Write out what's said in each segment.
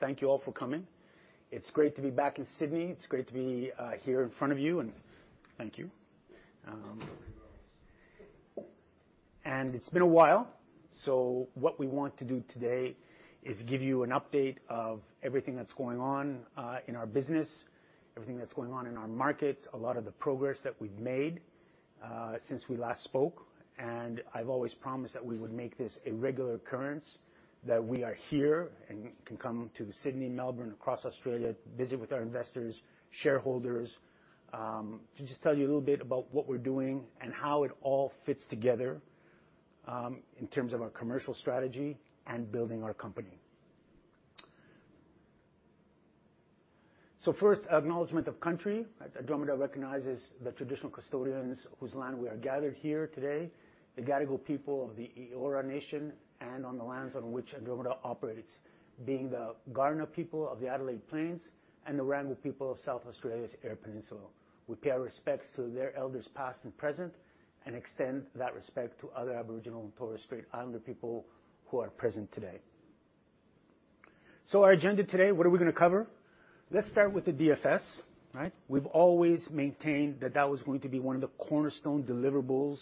Thank you all for coming. It's great to be back in Sydney. It's great to be here in front of you, and thank you. It's been a while, so what we want to do today is give you an update of everything that's going on in our business, everything that's going on in our markets, a lot of the progress that we've made since we last spoke. I've always promised that we would make this a regular occurrence, that we are here and can come to Sydney, Melbourne, across Australia, visit with our investors, shareholders, to just tell you a little bit about what we're doing and how it all fits together in terms of our commercial strategy and building our company. First, Acknowledgment of Country. Andromeda recognizes the traditional custodians whose land we are gathered here today, the Gadigal people of the Eora Nation, and on the lands on which Andromeda operates, being the Kaurna people of the Adelaide Plains and the Wirangu people of South Australia's Eyre Peninsula. We pay our respects to their elders, past and present, and extend that respect to other Aboriginal and Torres Strait Islander people who are present today. So our agenda today, what are we gonna cover? Let's start with the DFS, right? We've always maintained that that was going to be one of the cornerstone deliverables,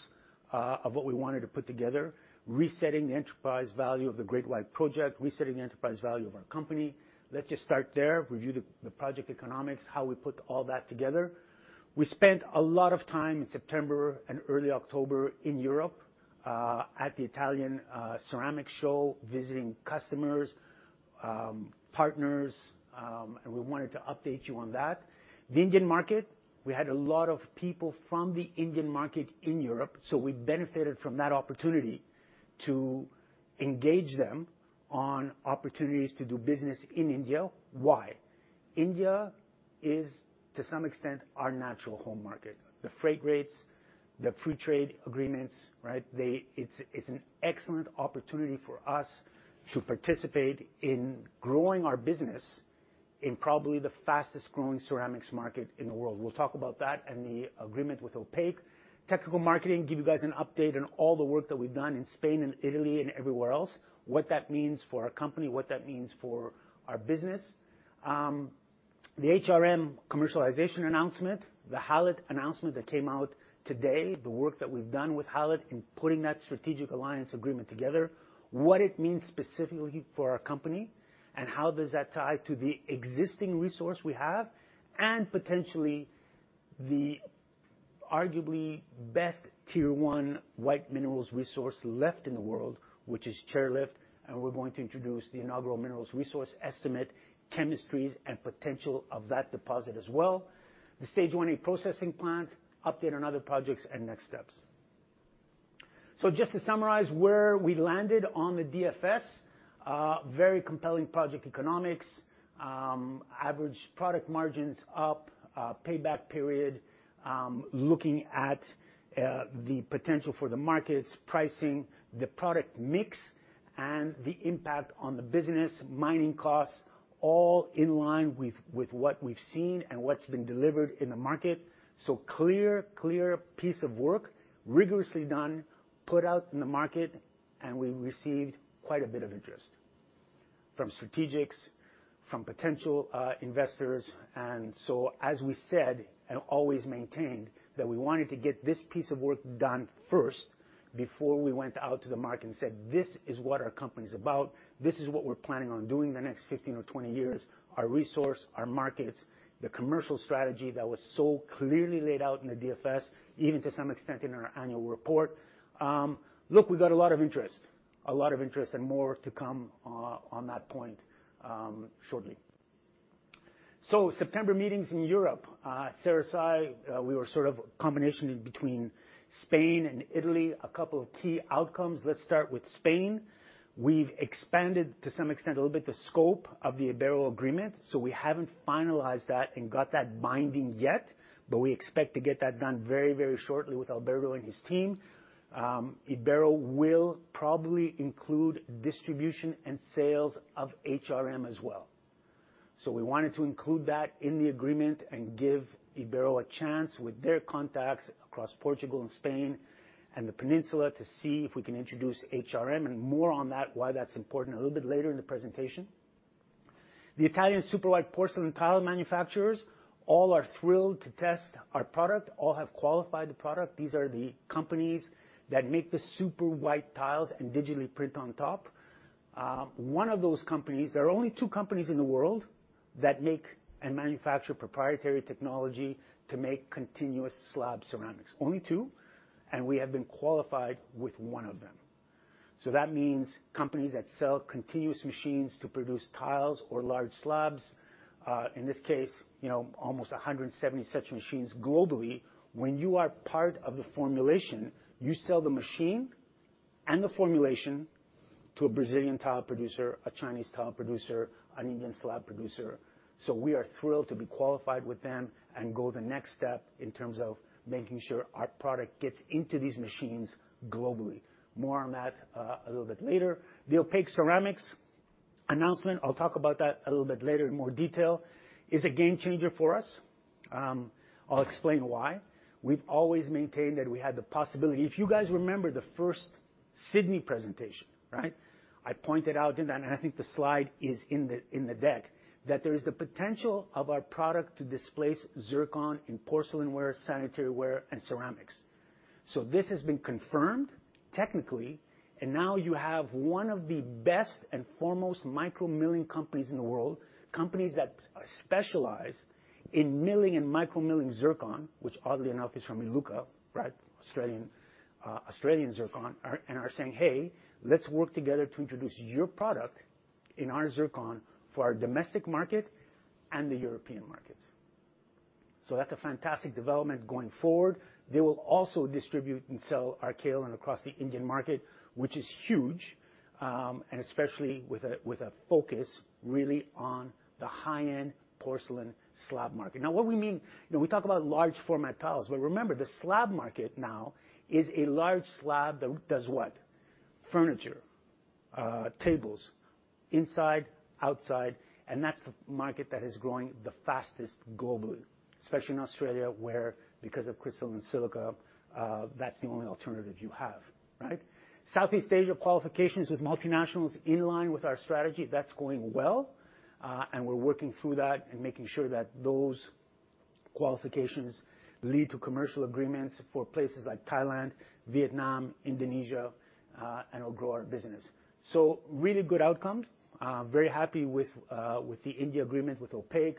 of what we wanted to put together, resetting the enterprise value of the Great White Project, resetting the enterprise value of our company. Let's just start there, review the project economics, how we put all that together. We spent a lot of time in September and early October in Europe at the Italian ceramic show, visiting customers, partners, and we wanted to update you on that. The Indian market, we had a lot of people from the Indian market in Europe, so we benefited from that opportunity to engage them on opportunities to do business in India. Why? India is, to some extent, our natural home market. The freight rates, the free trade agreements, right? It's an excellent opportunity for us to participate in growing our business in probably the fastest-growing ceramics market in the world. We'll talk about that and the agreement with Opaque. Technical marketing, give you guys an update on all the work that we've done in Spain and Italy and everywhere else, what that means for our company, what that means for our business. The HRM commercialization announcement, the Hallett announcement that came out today, the work that we've done with Hallett in putting that strategic alliance agreement together, what it means specifically for our company, and how does that tie to the existing resource we have, and potentially the arguably best Tier One white minerals resource left in the world, which is Chairlift. We're going to introduce the inaugural minerals resource estimate, chemistries, and potential of that deposit as well. The Stage 1A processing plant, update on other projects, and next steps. So just to summarize where we landed on the DFS, very compelling project economics, average product margins up, payback period, looking at the potential for the markets, pricing, the product mix, and the impact on the business, mining costs, all in line with what we've seen and what's been delivered in the market. So clear, clear piece of work, rigorously done, put out in the market, and we received quite a bit of interest from strategics, from potential investors. And so, as we said, and always maintained, that we wanted to get this piece of work done first before we went out to the market and said, "This is what our company is about. This is what we're planning on doing the next 15 or 20 years, our resource, our markets," the commercial strategy that was so clearly laid out in the DFS, even to some extent in our annual report. Look, we got a lot of interest, a lot of interest and more to come on that point shortly. So September meetings in Europe. CERSAIE, we were sort of a combination between Spain and Italy. A couple of key outcomes. Let's start with Spain. We've expanded, to some extent, a little bit, the scope of the Ibero agreement, so we haven't finalized that and got that binding yet, but we expect to get that done very, very shortly with Alberto and his team. Ibero will probably include distribution and sales of HRM as well. So we wanted to include that in the agreement and give Ibero a chance with their contacts across Portugal and Spain and the peninsula to see if we can introduce HRM and more on that, why that's important, a little bit later in the presentation. The Italian super white porcelain tile manufacturers all are thrilled to test our product. All have qualified the product. These are the companies that make the super white tiles and digitally print on top. One of those companies. There are only two companies in the world that make and manufacture proprietary technology to make continuous slab ceramics. Only two and we have been qualified with one of them. So that means companies that sell continuous machines to produce tiles or large slabs, in this case, you know, almost 170 such machines globally. When you are part of the formulation, you sell the machine and the formulation to a Brazilian tile producer, a Chinese tile producer, an Indian slab producer. So we are thrilled to be qualified with them and go the next step in terms of making sure our product gets into these machines globally. More on that, a little bit later. The Opaque Ceramics announcement, I'll talk about that a little bit later in more detail, is a game changer for us. I'll explain why. We've always maintained that we had the possibility. If you guys remember the first Sydney presentation, right? I pointed out in that, and I think the slide is in the, in the deck, that there is the potential of our product to displace zircon in porcelain ware, sanitary ware, and ceramics. So this has been confirmed technically, and now you have one of the best and foremost micro milling companies in the world, companies that specialize in milling and micro milling zircon, which, oddly enough, is from Iluka, right? Australian, Australian zircon. And are saying, "Hey, let's work together to introduce your product in our zircon for our domestic market and the European markets." So that's a fantastic development going forward. They will also distribute and sell our kaolin across the Indian market, which is huge, and especially with a focus really on the high-end porcelain slab market. Now, what we mean, you know, we talk about large format tiles, but remember, the slab market now is a large slab that does what? Furniture, tables, inside, outside, and that's the market that is growing the fastest globally, especially in Australia, where because of crystalline silica, that's the only alternative you have, right? Southeast Asia qualifications with multinationals in line with our strategy, that's going well, and we're working through that and making sure that those qualifications lead to commercial agreements for places like Thailand, Vietnam, Indonesia, and it'll grow our business. So really good outcomes. Very happy with the India agreement, with Opaque.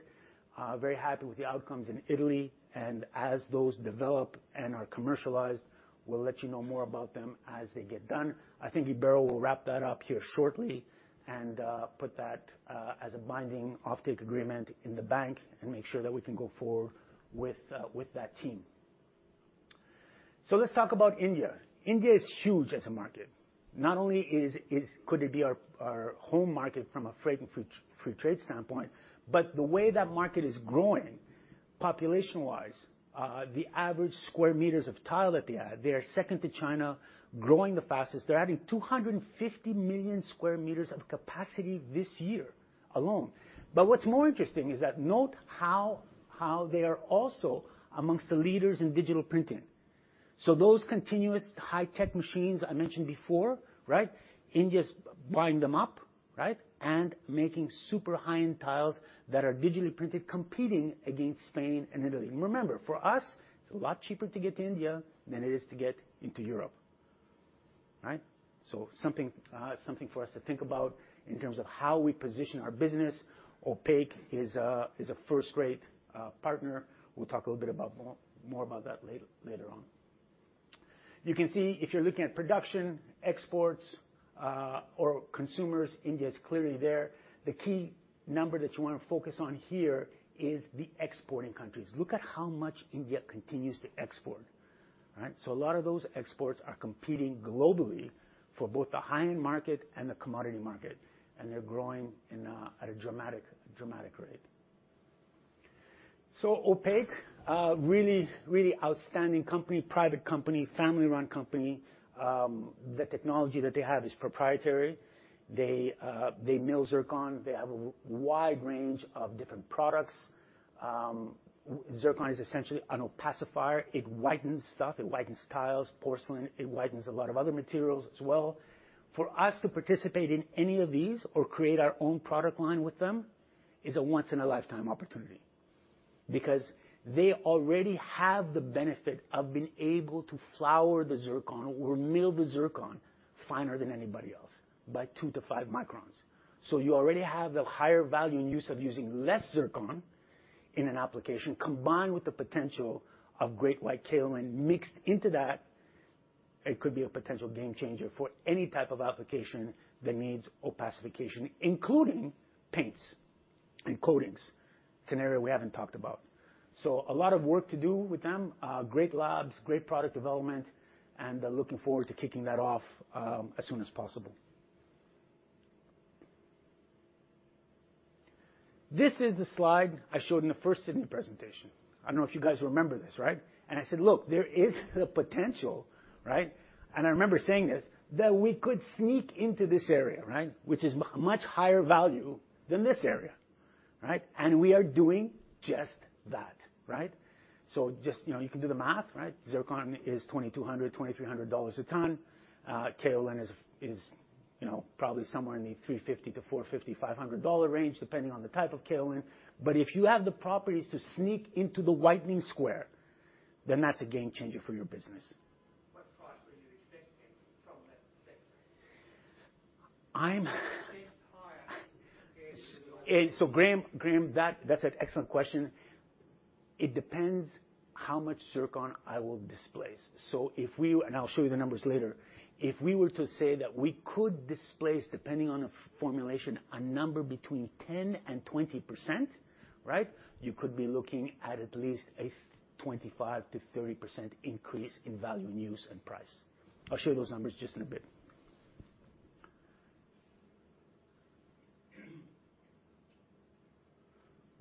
Very happy with the outcomes in Italy, and as those develop and are commercialized, we'll let you know more about them as they get done. I think Ibero will wrap that up here shortly and put that as a binding offtake agreement in the bank and make sure that we can go forward with that team. So let's talk about India. India is huge as a market. Not only could it be our home market from a freight and free trade standpoint, but the way that market is growing, population-wise, the average square meters of tile that they add, they are second to China, growing the fastest. They're adding 250 million square meters of capacity this year alone. But what's more interesting is that note how they are also among the leaders in digital printing. So those continuous high-tech machines I mentioned before, right? India's buying them up, right, and making super high-end tiles that are digitally printed, competing against Spain and Italy. Remember, for us, it's a lot cheaper to get to India than it is to get into Europe, right? So something, something for us to think about in terms of how we position our business. Opaque is a, is a first-rate, partner. We'll talk a little bit about more, more about that later, later on. You can see, if you're looking at production, exports, or consumers, India is clearly there. The key number that you wanna focus on here is the exporting countries. Look at how much India continues to export, right? So a lot of those exports are competing globally for both the high-end market and the commodity market, and they're growing at a dramatic, dramatic rate. So Opaque, a really, really outstanding company, private company, family-run company. The technology that they have is proprietary. They mill zircon. They have a wide range of different products. Zircon is essentially an opacifier. It whitens stuff, it whitens tiles, porcelain, it whitens a lot of other materials as well. For us to participate in any of these or create our own product line with them is a once-in-a-lifetime opportunity because they already have the benefit of being able to flour the zircon or mill the zircon finer than anybody else by 2-5 microns. So you already have the higher value in use of using less zircon in an application, combined with the potential of Great White kaolin mixed into that, it could be a potential game changer for any type of application that needs opacification, including paints and coatings, scenario we haven't talked about. So a lot of work to do with them, great labs, great product development, and looking forward to kicking that off as soon as possible. This is the slide I showed in the first Sydney presentation. I don't know if you guys remember this, right? And I said, "Look, there is the potential," right? And I remember saying this, "that we could sneak into this area, right? Which is much higher value than this area," right? And we are doing just that, right? So just, you know, you can do the math, right? Zircon is $2,200-$2,300 a ton. Kaolin is, you know, probably somewhere in the $350-$500 range, depending on the type of kaolin. But if you have the properties to sneak into the whitening square, then that's a game changer for your business. What price were you expecting from that segment? I'm- It seems higher than the- So Graham, Graham, that's an excellent question. It depends how much zircon I will displace. So if we... And I'll show you the numbers later. If we were to say that we could displace, depending on the formulation, a number between 10%-20%, right? You could be looking at at least a 25%-30% increase in value in use and price. I'll show those numbers just in a bit.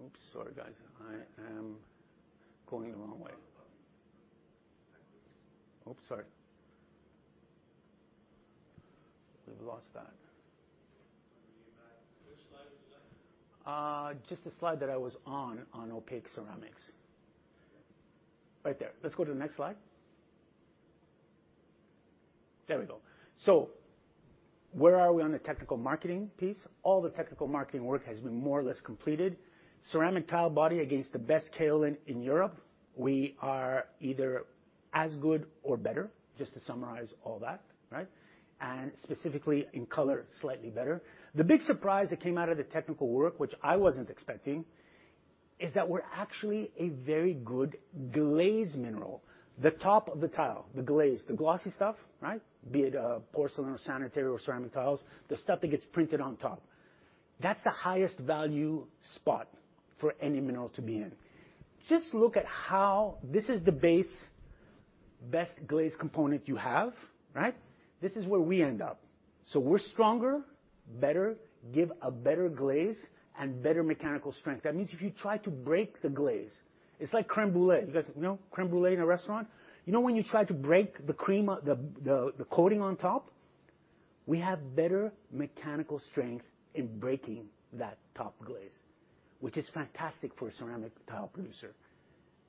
Oops, sorry, guys. I am going the wrong way. Backwards. Oops, sorry. We've lost that. Which slide was that? Just the slide that I was on, on Opaque Ceramics. Okay. Right there. Let's go to the next slide. There we go. So where are we on the technical marketing piece? All the technical marketing work has been more or less completed. Ceramic tile body against the best kaolin in Europe, we are either as good or better, just to summarize all that, right? And specifically, in color, slightly better. The big surprise that came out of the technical work, which I wasn't expecting, is that we're actually a very good glaze mineral. The top of the tile, the glaze, the glossy stuff, right, be it a porcelain or sanitary or ceramic tiles, the stuff that gets printed on top. That's the highest value spot for any mineral to be in. Just look at how this is the base, best glaze component you have, right? This is where we end up. So we're stronger, better, give a better glaze, and better mechanical strength. That means if you try to break the glaze, it's like crème brûlée. You guys know crème brûlée in a restaurant? You know, when you try to break the cream, the coating on top, we have better mechanical strength in breaking that top glaze, which is fantastic for a ceramic tile producer,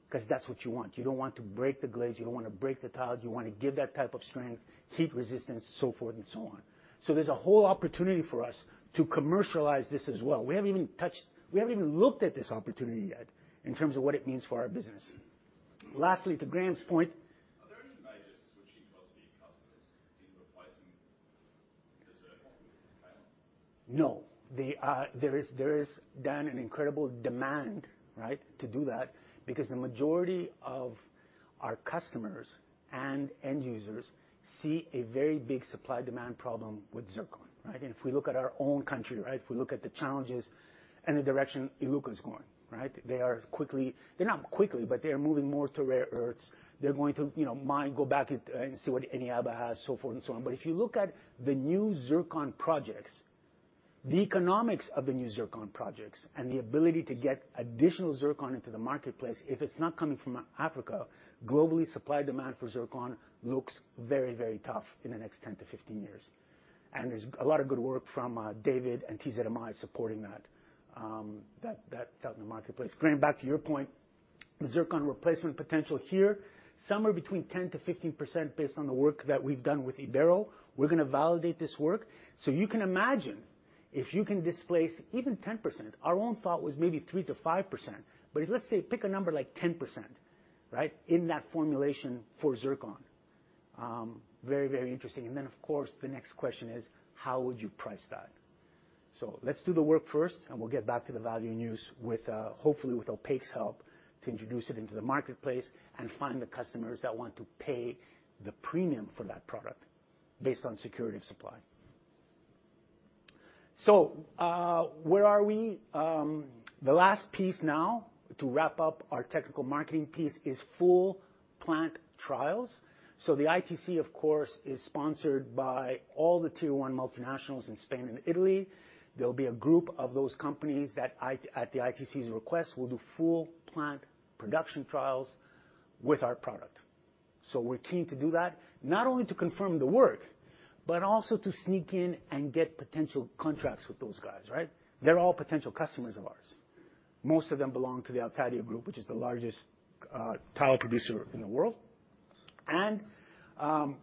'cause that's what you want. You don't want to break the glaze, you don't want to break the tile. You want to give that type of strength, heat resistance, so forth and so on. So there's a whole opportunity for us to commercialize this as well. We haven't even touched. We haven't even looked at this opportunity yet in terms of what it means for our business. Lastly, to Graham's point- Are there any buyers switching mostly customers in replacing the Zircon tile? No. There is, there is, Dan, an incredible demand, right, to do that because the majority of our customers and end users see a very big supply-demand problem with zircon, right? And if we look at our own country, right, if we look at the challenges and the direction Iluka is going, right, they are quickly... They're not quickly, but they are moving more to rare earths. They're going to, you know, mine, go back and, and see what Eneabba has, so forth and so on. But if you look at the new zircon projects, the economics of the new zircon projects and the ability to get additional zircon into the marketplace, if it's not coming from Africa, globally, supply-demand for zircon looks very, very tough in the next 10-15 years. And there's a lot of good work from David and TZMI supporting that out in the marketplace. Graham, back to your point, zircon replacement potential here, somewhere between 10%-15% based on the work that we've done with Ibero. We're gonna validate this work. So you can imagine if you can displace even 10%, our own thought was maybe 3%-5%, but let's say, pick a number like 10%, right, in that formulation for zircon. Very, very interesting. And then, of course, the next question is: how would you price that? So let's do the work first, and we'll get back to the value and use with, hopefully with Opaque's help, to introduce it into the marketplace and find the customers that want to pay the premium for that product based on security of supply. So, where are we? The last piece now, to wrap up our technical marketing piece, is full plant trials. The ITC, of course, is sponsored by all the tier one multinationals in Spain and Italy. There'll be a group of those companies that at the ITC's request, will do full plant production trials with our product. We're keen to do that, not only to confirm the work, but also to sneak in and get potential contracts with those guys, right? They're all potential customers of ours. Most of them belong to the Altadia Group, which is the largest tile producer in the world. And, the....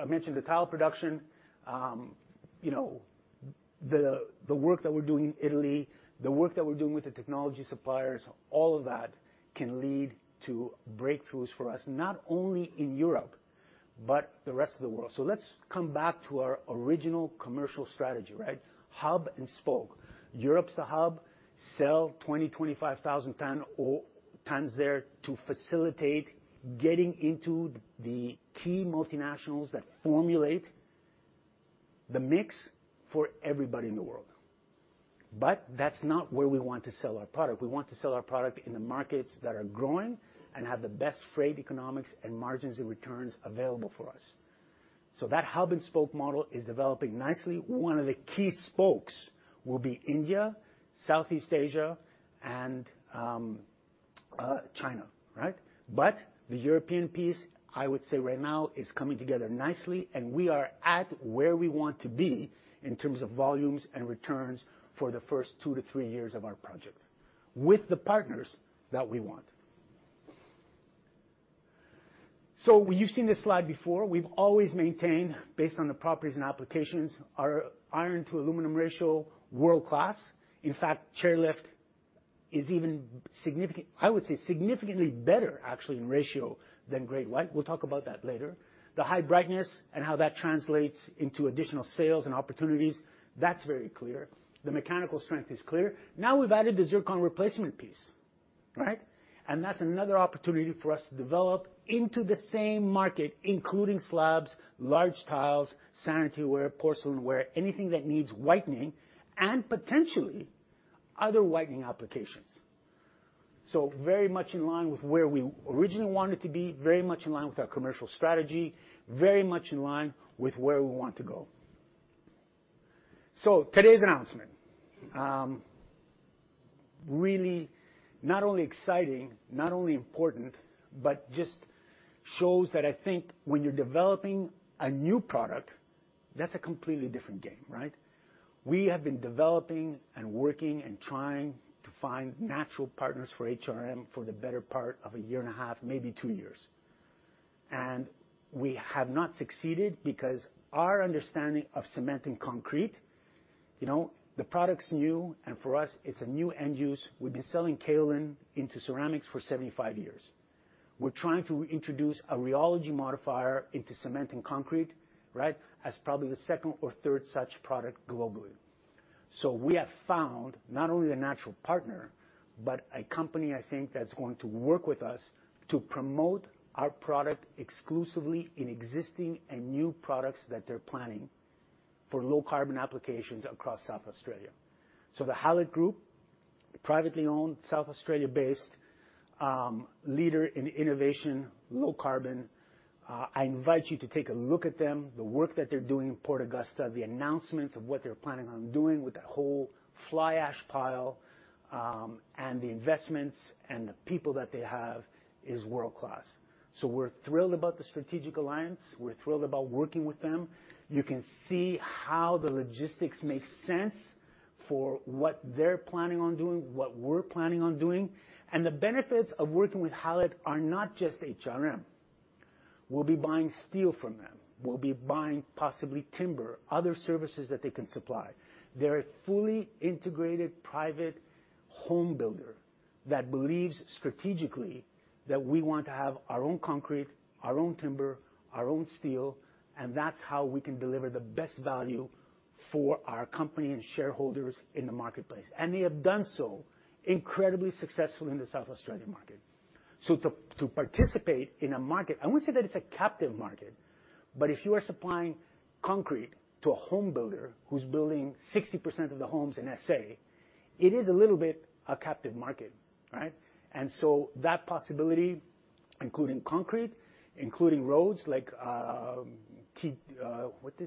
I mentioned the tile production, you know, the work that we're doing in Italy, the work that we're doing with the technology suppliers. All of that can lead to breakthroughs for us, not only in Europe, but the rest of the world. So let's come back to our original commercial strategy, right? Hub and spoke. Europe's the hub, sell 20-25,000 tons there to facilitate getting into the key multinationals that formulate the mix for everybody in the world. But that's not where we want to sell our product. We want to sell our product in the markets that are growing and have the best freight economics and margins and returns available for us. So that hub-and-spoke model is developing nicely. One of the key spokes will be India, Southeast Asia, and China, right? But the European piece, I would say right now, is coming together nicely, and we are at where we want to be in terms of volumes and returns for the first 2 to 3 years of our project with the partners that we want. So you've seen this slide before. We've always maintained, based on the properties and applications, our iron to aluminum ratio, world-class. In fact, Chairlift is even significant, I would say, significantly better actually in ratio than Great White. We'll talk about that later. The high brightness and how that translates into additional sales and opportunities, that's very clear. The mechanical strength is clear. Now, we've added the zircon replacement piece, right? And that's another opportunity for us to develop into the same market, including slabs, large tiles, sanitaryware, porcelainware, anything that needs whitening, and potentially other whitening applications. So very much in line with where we originally wanted to be, very much in line with our commercial strategy, very much in line with where we want to go. So today's announcement really not only exciting, not only important, but just shows that I think when you're developing a new product, that's a completely different game, right? We have been developing and working and trying to find natural partners for HRM for the better part of a year and a half, maybe two years. And we have not succeeded because our understanding of cement and concrete, you know, the product's new, and for us, it's a new end use. We've been selling kaolin into ceramics for 75 years. We're trying to introduce a rheology modifier into cement and concrete, right? As probably the second or third such product globally. We have found not only a natural partner, but a company, I think, that's going to work with us to promote our product exclusively in existing and new products that they're planning for low-carbon applications across South Australia. The Hallett Group, privately owned, South Australia-based, leader in innovation, low carbon. I invite you to take a look at them, the work that they're doing in Port Augusta, the announcements of what they're planning on doing with that whole fly ash pile, and the investments and the people that they have is world-class. We're thrilled about the strategic alliance. We're thrilled about working with them. You can see how the logistics make sense for what they're planning on doing, what we're planning on doing, and the benefits of working with Hallett are not just HRM. We'll be buying steel from them. We'll be buying, possibly timber, other services that they can supply. They're a fully integrated private home builder that believes strategically that we want to have our own concrete, our own timber, our own steel, and that's how we can deliver the best value for our company and shareholders in the marketplace. And they have done so incredibly successfully in the South Australian market. So to participate in a market... I wouldn't say that it's a captive market, but if you are supplying concrete to a home builder who's building 60% of the homes in SA, it is a little bit a captive market, right? And so that possibility, including concrete, including roads, like, T2D. What does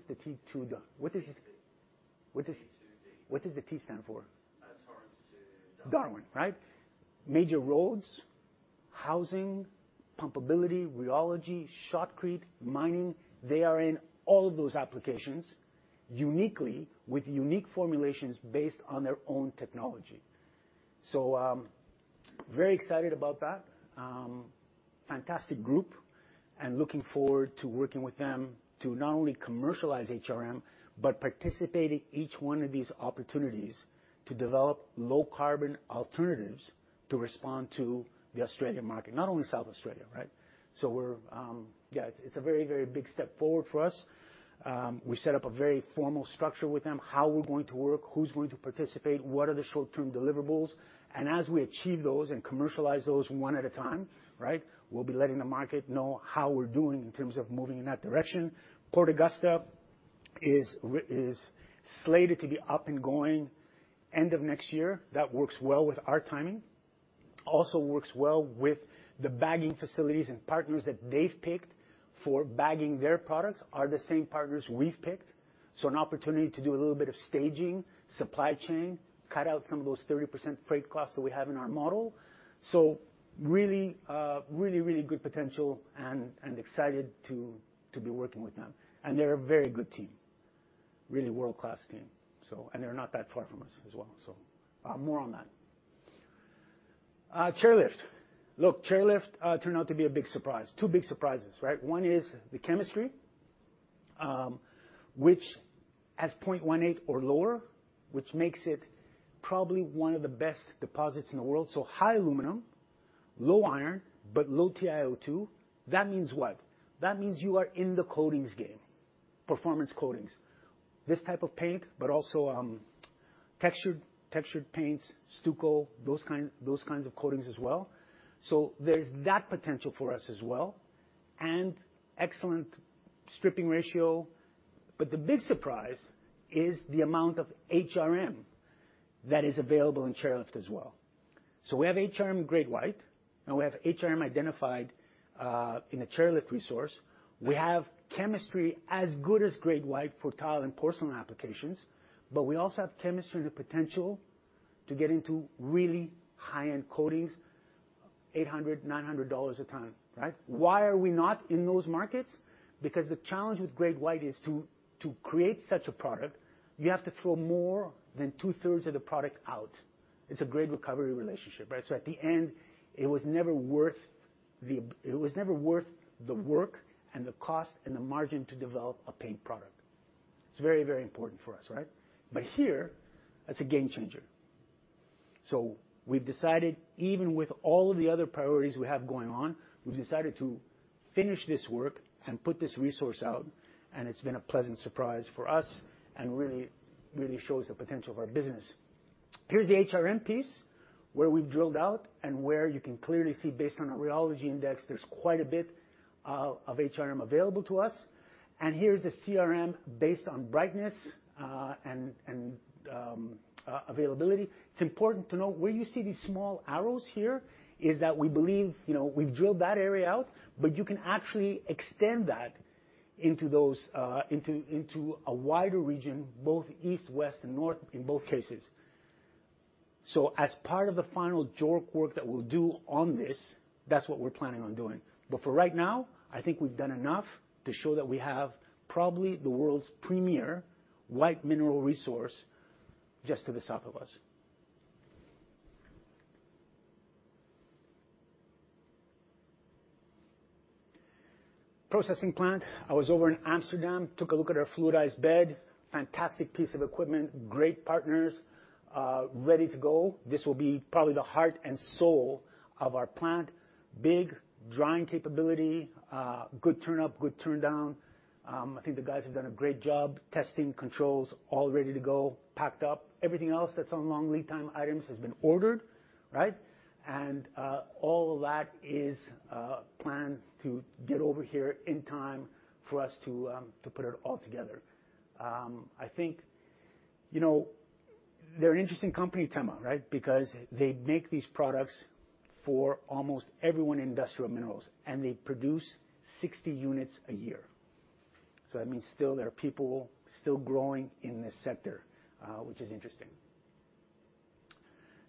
the T stand for? Torrens to Darwin. Darwin, right? Major roads, housing, pumpability, rheology, shotcrete, mining, they are in all of those applications, uniquely, with unique formulations based on their own technology. So, very excited about that. Fantastic group, and looking forward to working with them to not only commercialize HRM, but participate in each one of these opportunities to develop low-carbon alternatives to respond to the Australian market, not only South Australia, right? So we're... Yeah, it's a very, very big step forward for us. We set up a very formal structure with them, how we're going to work, who's going to participate, what are the short-term deliverables. And as we achieve those and commercialize those one at a time, right, we'll be letting the market know how we're doing in terms of moving in that direction. Port Augusta is slated to be up and going end of next year. That works well with our timing. Also works well with the bagging facilities and partners that they've picked for bagging their products are the same partners we've picked. So an opportunity to do a little bit of staging, supply chain, cut out some of those 30% freight costs that we have in our model. So really good potential and excited to be working with them. And they're a very good team, really world-class team, so. And they're not that far from us as well, so, more on that. Chairlift. Look, Chairlift turned out to be a big surprise. Two big surprises, right? One is the chemistry, which has 0.18 or lower, which makes it probably one of the best deposits in the world. So high aluminum, low iron, but low TiO2. That means what? That means you are in the coatings game, performance coatings. This type of paint, but also textured paints, stucco, those kinds of coatings as well. So there's that potential for us as well, and excellent stripping ratio. But the big surprise is the amount of HRM that is available in Chairlift as well. So we have Great White HRM, and we have HRM identified in the Chairlift resource. We have chemistry as good as Great White for tile and porcelain applications, but we also have chemistry and the potential to get into really high-end coatings, $800-$900 a ton, right? Why are we not in those markets? Because the challenge with Great White is to create such a product, you have to throw more than two-thirds of the product out. It's a grade recovery relationship, right? So at the end, it was never worth the work and the cost and the margin to develop a paint product. It's very, very important for us, right? But here, that's a game changer. So we've decided, even with all of the other priorities we have going on, we've decided to finish this work and put this resource out, and it's been a pleasant surprise for us and really, really shows the potential of our business. Here's the HRM piece, where we've drilled out and where you can clearly see, based on a rheology index, there's quite a bit of HRM available to us. And here's the CRM based on brightness and availability. It's important to note, where you see these small arrows here, is that we believe, you know, we've drilled that area out, but you can actually extend that into those, into a wider region, both east, west, and north in both cases. So as part of the final JORC work that we'll do on this, that's what we're planning on doing. But for right now, I think we've done enough to show that we have probably the world's premier white mineral resource just to the south of us. Processing plant. I was over in Amsterdam, took a look at our fluidized bed. Fantastic piece of equipment, great partners, ready to go. This will be probably the heart and soul of our plant. Big drying capability, good turn up, good turn down. I think the guys have done a great job testing controls, all ready to go, packed up. Everything else that's on long lead time items has been ordered, right? And, all of that is, planned to get over here in time for us to, to put it all together. I think, you know, they're an interesting company, Tema, right? Because they make these products for almost everyone in industrial minerals, and they produce 60 units a year. So that means still there are people still growing in this sector, which is interesting.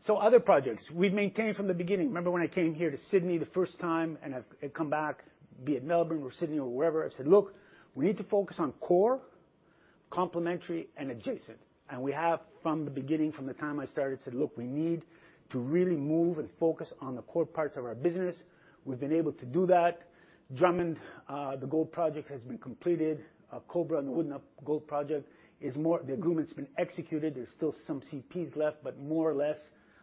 So other projects. We've maintained from the beginning... Remember when I came here to Sydney the first time, and I've, I've come back, be it Melbourne or Sydney or wherever, I said, "Look, we need to focus on core, complementary, and adjacent." And we have from the beginning, from the time I started, said, "Look, we need to really move and focus on the core parts of our business." We've been able to do that. Drummond, the gold project has been completed. Cobra and Wudinna Gold Project is more- the agreement's been executed. There's still some CPs left, but more or less,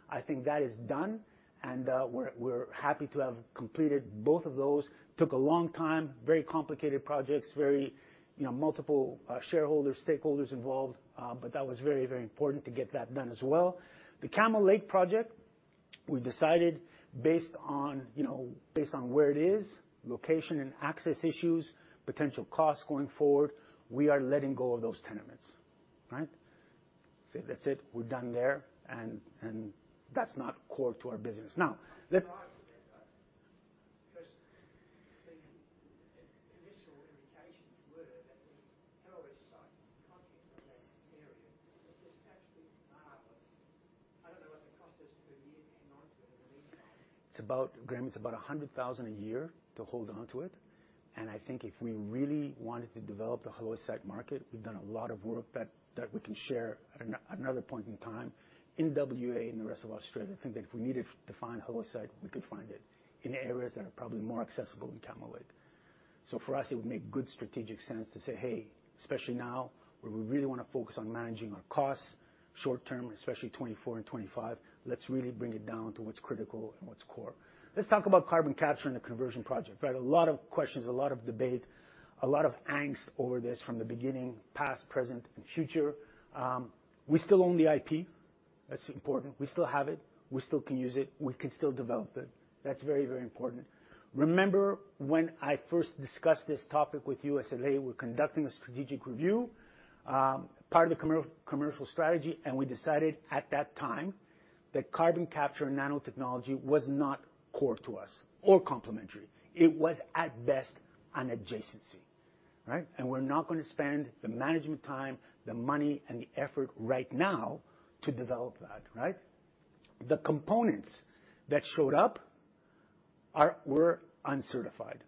I think that is done, and we're happy to have completed both of those. Took a long time, very complicated projects, very, you know, multiple shareholder stakeholders involved, but that was very, very important to get that done as well. The Camel Lake project, we've decided based on, you know, based on where it is, location and access issues, potential costs going forward, we are letting go of those tenements. Right? So that's it. We're done there, and, and that's not core to our business. Now, let's- Because the initial indications were that the halloysite content of that area was actually marvelous. I don't know what the cost is per year to hang on to it. It's about, Graham, it's about 100,000 a year to hold on to it, and I think if we really wanted to develop the halloysite market, we've done a lot of work that, that we can share at another point in time. In WA and the rest of Australia, I think that if we needed to find halloysite, we could find it in areas that are probably more accessible than Camel Lake. So for us, it would make good strategic sense to say, "Hey, especially now, where we really wanna focus on managing our costs short term, especially 2024 and 2025, let's really bring it down to what's critical and what's core." Let's talk about carbon capture and the conversion project. Right, a lot of questions, a lot of debate, a lot of angst over this from the beginning, past, present, and future. We still own the IP. That's important. We still have it. We still can use it. We can still develop it. That's very, very important. Remember when I first discussed this topic with you, I said, "Hey, we're conducting a strategic review, part of the commercial strategy," and we decided at that time that carbon capture and nanotechnology was not core to us or complementary. It was, at best, an adjacency, right? And we're not gonna spend the management time, the money, and the effort right now to develop that, right? The components that showed up were uncertified.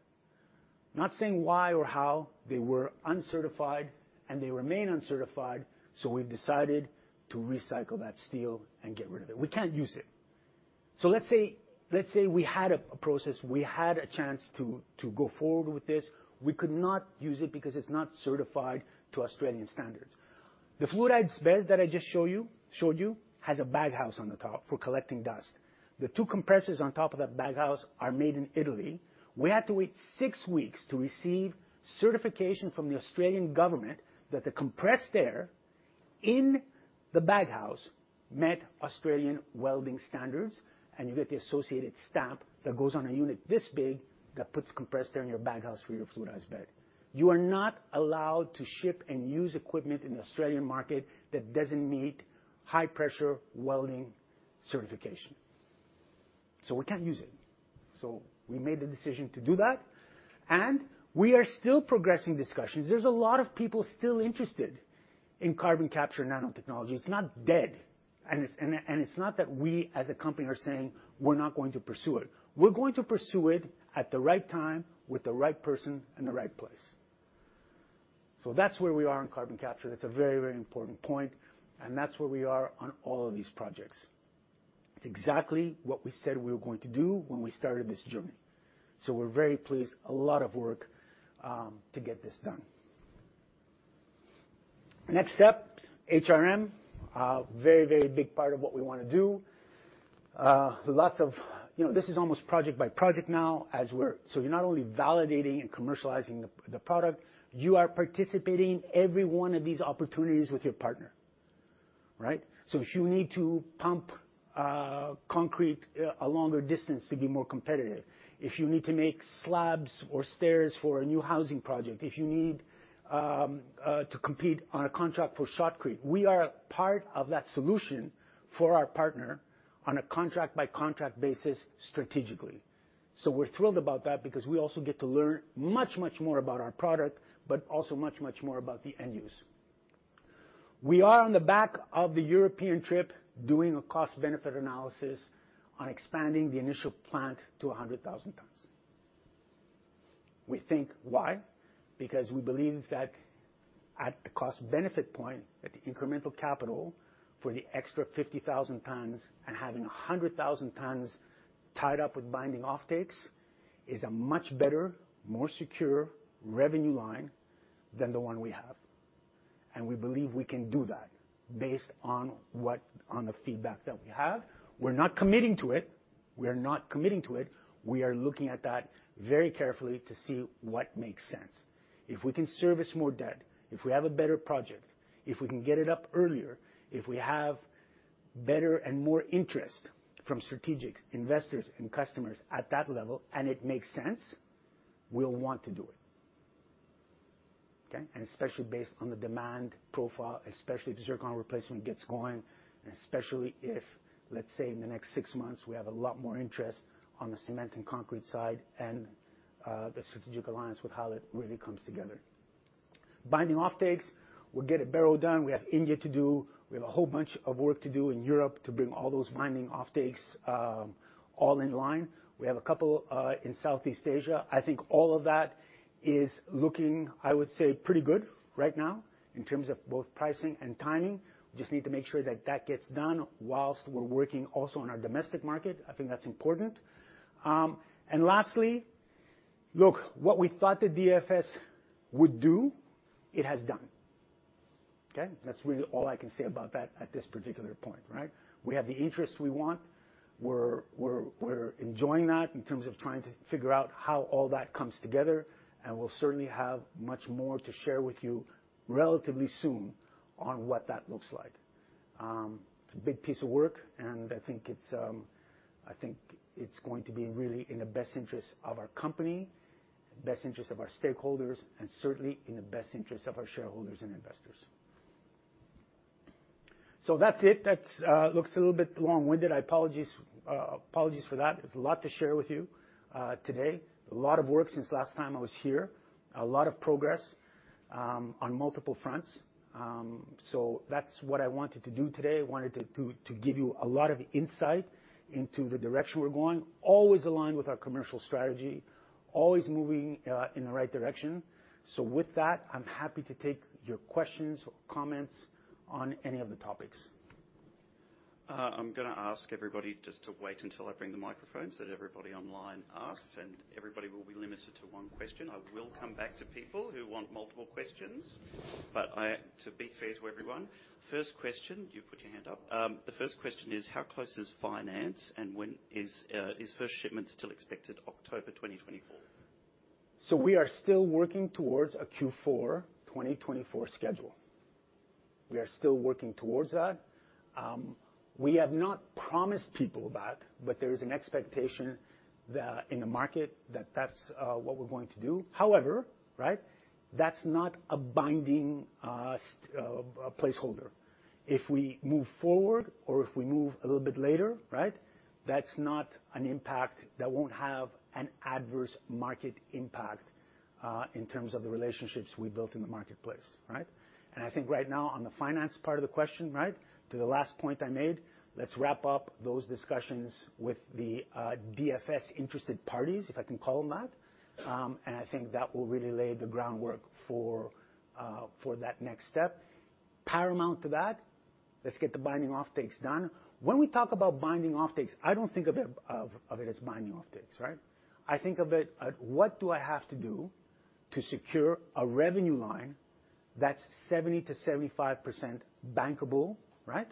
Not saying why or how, they were uncertified, and they remain uncertified, so we've decided to recycle that steel and get rid of it. We can't use it. So let's say we had a process, we had a chance to go forward with this. We could not use it because it's not certified to Australian standards. The fluidized bed that I just showed you has a baghouse on the top for collecting dust. The two compressors on top of that baghouse are made in Italy. We had to wait six weeks to receive certification from the Australian government that the compressed air in the baghouse met Australian welding standards, and you get the associated stamp that goes on a unit this big, that puts compressed air in your baghouse for your fluidized bed. You are not allowed to ship and use equipment in the Australian market that doesn't meet high-pressure welding certification. So we can't use it. So we made the decision to do that, and we are still progressing discussions. There's a lot of people still interested in carbon capture nanotechnology. It's not dead, and it's not that we, as a company, are saying we're not going to pursue it. We're going to pursue it at the right time, with the right person, and the right place. So that's where we are on carbon capture. That's a very, very important point, and that's where we are on all of these projects. It's exactly what we said we were going to do when we started this journey. So we're very pleased. A lot of work to get this done. Next step, HRM. Very, very big part of what we wanna do. Lots of... You know, this is almost project by project now, as we're. So you're not only validating and commercializing the product, you are participating in every one of these opportunities with your partner, right?... So if you need to pump concrete a longer distance to be more competitive, if you need to make slabs or stairs for a new housing project, if you need to compete on a contract for shotcrete, we are a part of that solution for our partner on a contract-by-contract basis strategically. So we're thrilled about that because we also get to learn much, much more about our product, but also much, much more about the end use. We are on the back of the European trip, doing a cost-benefit analysis on expanding the initial plant to 100,000 tons. We think why? Because we believe that at the cost-benefit point, at the incremental capital for the extra 50,000 tons and having 100,000 tons tied up with binding offtakes, is a much better, more secure revenue line than the one we have, and we believe we can do that based on the feedback that we have. We're not committing to it. We are not committing to it. We are looking at that very carefully to see what makes sense. If we can service more debt, if we have a better project, if we can get it up earlier, if we have better and more interest from strategic investors and customers at that level, and it makes sense, we'll want to do it, okay? And especially based on the demand profile, especially if the zircon replacement gets going, especially if, let's say, in the next six months, we have a lot more interest on the cement and concrete side, and the strategic alliance with Hallett really comes together. Binding offtakes, we'll get it narrowed down, we have India to do, we have a whole bunch of work to do in Europe to bring all those binding offtakes all in line. We have a couple in Southeast Asia. I think all of that is looking, I would say, pretty good right now in terms of both pricing and timing. We just need to make sure that that gets done whilst we're working also on our domestic market. I think that's important. And lastly, look, what we thought the DFS would do, it has done. Okay? That's really all I can say about that at this particular point, right? We have the interest we want. We're enjoying that in terms of trying to figure out how all that comes together, and we'll certainly have much more to share with you relatively soon on what that looks like. It's a big piece of work, and I think it's going to be really in the best interest of our company, best interest of our stakeholders, and certainly in the best interest of our shareholders and investors. So that's it. That looks a little bit long-winded. I apologize, apologies for that. There's a lot to share with you today. A lot of work since last time I was here, a lot of progress on multiple fronts. So that's what I wanted to do today. I wanted to give you a lot of insight into the direction we're going. Always aligned with our commercial strategy, always moving in the right direction. With that, I'm happy to take your questions or comments on any of the topics. I'm gonna ask everybody just to wait until I bring the microphones, that everybody online asks, and everybody will be limited to one question. I will come back to people who want multiple questions, but to be fair to everyone, first question... You put your hand up. The first question is, how close is finance, and when is first shipment still expected October 2024? So we are still working towards a Q4 2024 schedule. We are still working towards that. We have not promised people that, but there is an expectation that in the market, that that's what we're going to do. However, right, that's not a binding placeholder. If we move forward or if we move a little bit later, right, that's not an impact that won't have an adverse market impact in terms of the relationships we built in the marketplace, right? And I think right now, on the finance part of the question, right, to the last point I made, let's wrap up those discussions with the DFS-interested parties, if I can call them that. And I think that will really lay the groundwork for that next step. Paramount to that, let's get the binding offtakes done. When we talk about binding offtakes, I don't think of it as binding offtakes, right? I think of it as, what do I have to do to secure a revenue line that's 70%-75% bankable, right?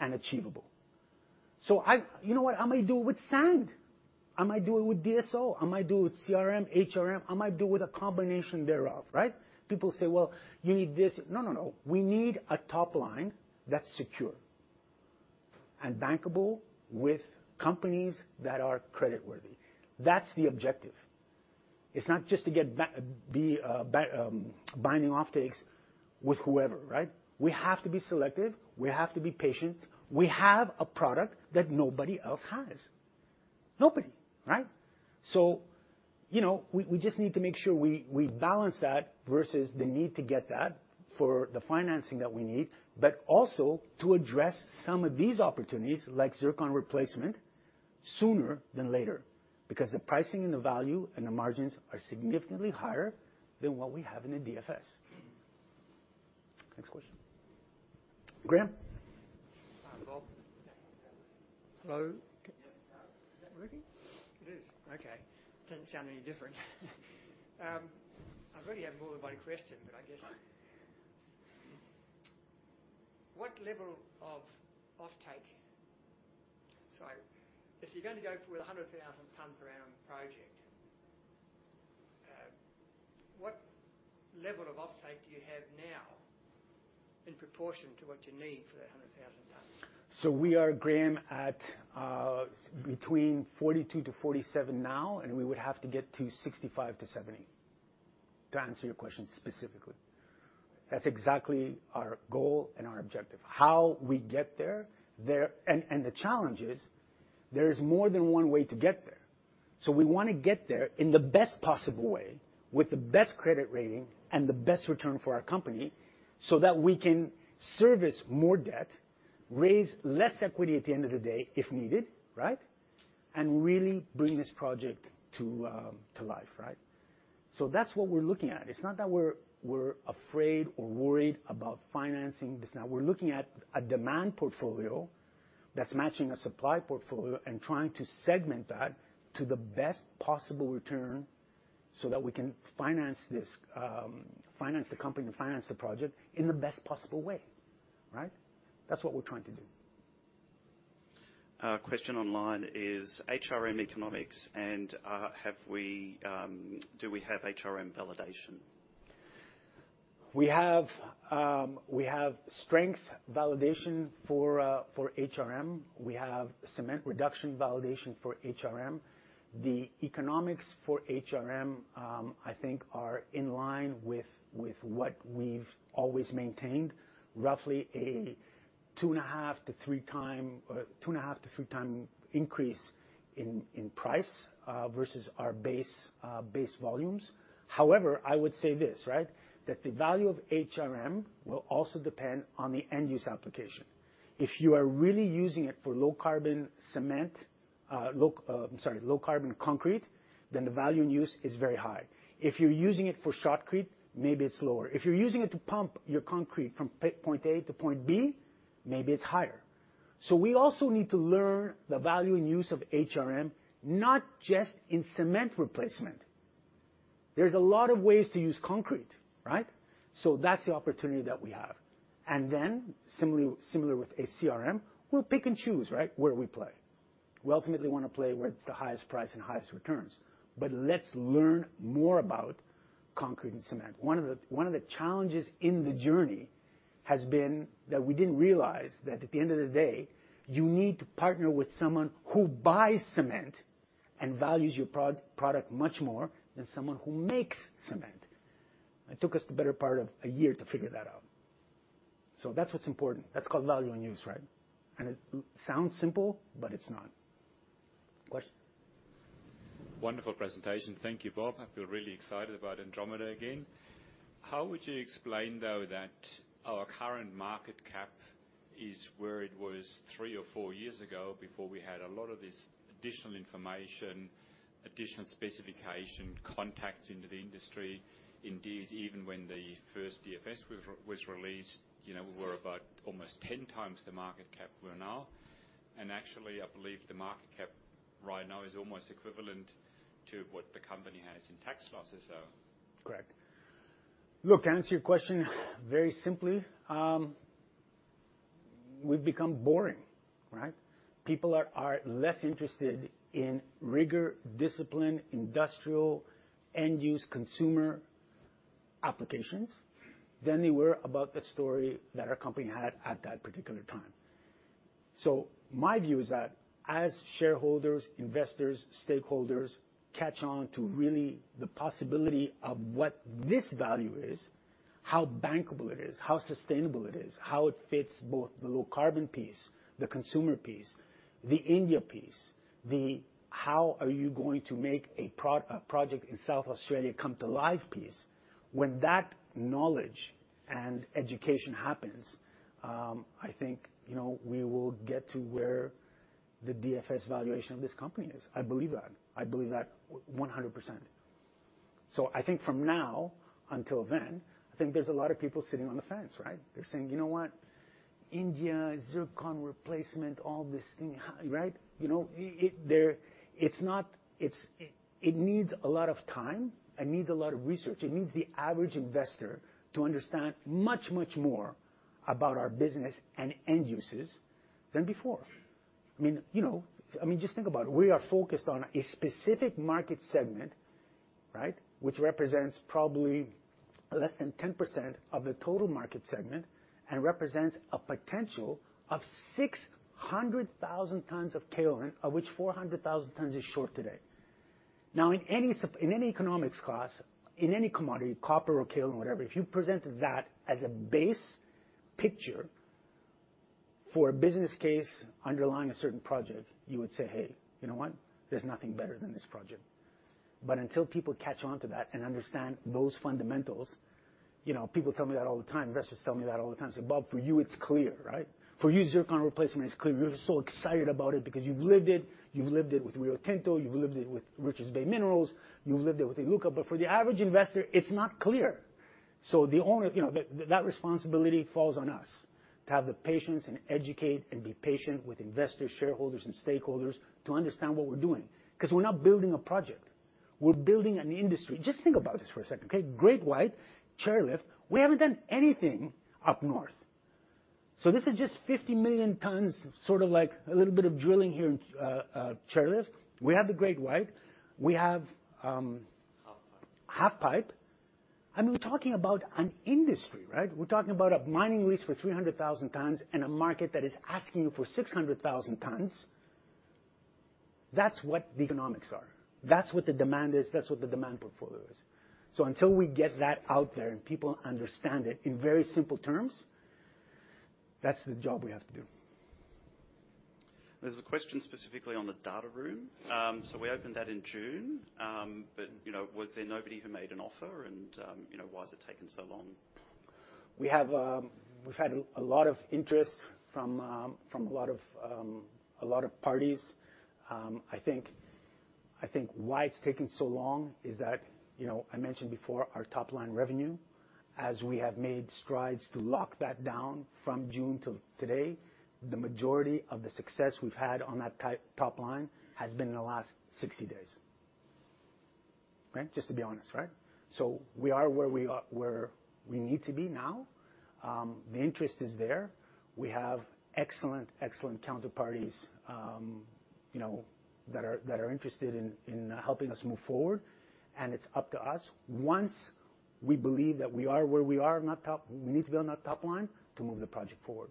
And achievable. You know what? I might do it with sand. I might do it with DSO. I might do it with CRM, HRM. I might do with a combination thereof, right? People say, "Well, you need this." No, no, no. We need a top line that's secure and bankable with companies that are creditworthy. That's the objective. It's not just to get binding offtakes with whoever, right? We have to be selective. We have to be patient. We have a product that nobody else has. Nobody, right? So, you know, we just need to make sure we balance that versus the need to get that for the financing that we need, but also to address some of these opportunities, like zircon replacement, sooner than later, because the pricing and the value and the margins are significantly higher than what we have in the DFS. Next question. Graham? Hi, Bob. Hello? Is that working? It is. Okay. Doesn't sound any different. I really have more than one question, but I guess... What level of offtake? So if you're going to go for a 100,000 tons per annum project... What level of offtake do you have now in proportion to what you need for that 100,000 tons? So we are, Graham, at between 42-47 now, and we would have to get to 65-70, to answer your question specifically. That's exactly our goal and our objective. How we get there. And the challenge is, there is more than one way to get there. So we wanna get there in the best possible way, with the best credit rating and the best return for our company, so that we can service more debt, raise less equity at the end of the day, if needed, right? And really bring this project to life, right? So that's what we're looking at. It's not that we're afraid or worried about financing this. Now, we're looking at a demand portfolio that's matching a supply portfolio and trying to segment that to the best possible return, so that we can finance this, finance the company and finance the project in the best possible way, right? That's what we're trying to do. A question online is HRM economics, and have we do we have HRM validation? We have strength validation for HRM. We have cement reduction validation for HRM. The economics for HRM, I think are in line with what we've always maintained, roughly a 2.5-3x increase in price versus our base volumes. However, I would say this, right? That the value of HRM will also depend on the end-use application. If you are really using it for low-carbon cement, low-carbon concrete, then the value in use is very high. If you're using it for shotcrete, maybe it's lower. If you're using it to pump your concrete from point A to point B, maybe it's higher. So we also need to learn the value and use of HRM, not just in cement replacement. There's a lot of ways to use concrete, right? So that's the opportunity that we have. And then, similarly, similar with ACRM, we'll pick and choose, right, where we play. We ultimately wanna play where it's the highest price and highest returns, but let's learn more about concrete and cement. One of the, one of the challenges in the journey has been that we didn't realize that at the end of the day, you need to partner with someone who buys cement and values your product much more than someone who makes cement. It took us the better part of a year to figure that out. So that's what's important. That's called value in use, right? And it sounds simple, but it's not. Question. Wonderful presentation. Thank you, Bob. I feel really excited about Andromeda again. How would you explain, though, that our current market cap is where it was 3 or 4 years ago before we had a lot of this additional information, additional specification, contacts into the industry? Indeed, even when the first DFS was released, you know, we were about almost 10x the market cap we're now. And actually, I believe the market cap right now is almost equivalent to what the company has in tax losses, so. Correct. Look, to answer your question very simply, we've become boring, right? People are less interested in rigor, discipline, industrial, end-use consumer applications than they were about the story that our company had at that particular time. So my view is that as shareholders, investors, stakeholders, catch on to really the possibility of what this value is, how bankable it is, how sustainable it is, how it fits both the low-carbon piece, the consumer piece, the India piece, the how are you going to make a project in South Australia come to life piece. When that knowledge and education happens, I think, you know, we will get to where the DFS valuation of this company is. I believe that. I believe that 100%. So I think from now until then, I think there's a lot of people sitting on the fence, right? They're saying, "You know what? India, Zircon replacement, all this thing," right? You know, it's not. It needs a lot of time, it needs a lot of research, it needs the average investor to understand much, much more about our business and end uses than before. I mean, you know, I mean, just think about it. We are focused on a specific market segment, right, which represents probably less than 10% of the total market segment and represents a potential of 600,000 tons of kaolin, of which 400,000 tons is short today. Now, in any economics class, in any commodity, copper or kaolin, whatever, if you presented that as a base picture for a business case underlying a certain project, you would say, "Hey, you know what? There's nothing better than this project." But until people catch on to that and understand those fundamentals... You know, people tell me that all the time. Investors tell me that all the time. Say, "Bob, for you, it's clear, right? For you, zircon replacement is clear. You're so excited about it because you've lived it. You've lived it with Rio Tinto, you've lived it with Richards Bay Minerals, you've lived it with Iluka." But for the average investor, it's not clear. So the owner, you know, that, that responsibility falls on us, to have the patience and educate and be patient with investors, shareholders, and stakeholders to understand what we're doing. 'Cause we're not building a project, we're building an industry. Just think about this for a second, okay? Great White, Chairlift, we haven't done anything up north.... So this is just 50 million tons, sort of like a little bit of drilling here in Chairlift. We have the Great White, we have Halfpipe. Halfpipe, and we're talking about an industry, right? We're talking about a mining lease for 300,000 tons and a market that is asking you for 600,000 tons. That's what the economics are. That's what the demand is. That's what the demand portfolio is. So until we get that out there, and people understand it in very simple terms, that's the job we have to do. There's a question specifically on the data room. So we opened that in June, but, you know, was there nobody who made an offer? And, you know, why has it taken so long? We have, we've had a lot of interest from a lot of parties. I think, I think why it's taken so long is that, you know, I mentioned before, our top-line revenue, as we have made strides to lock that down from June till today, the majority of the success we've had on that top line has been in the last 60 days. Right? Just to be honest, right? So we are where we are, where we need to be now. The interest is there. We have excellent, excellent counterparties, you know, that are interested in helping us move forward, and it's up to us. Once we believe that we are where we are on that top line, we need to be on that top line to move the project forward.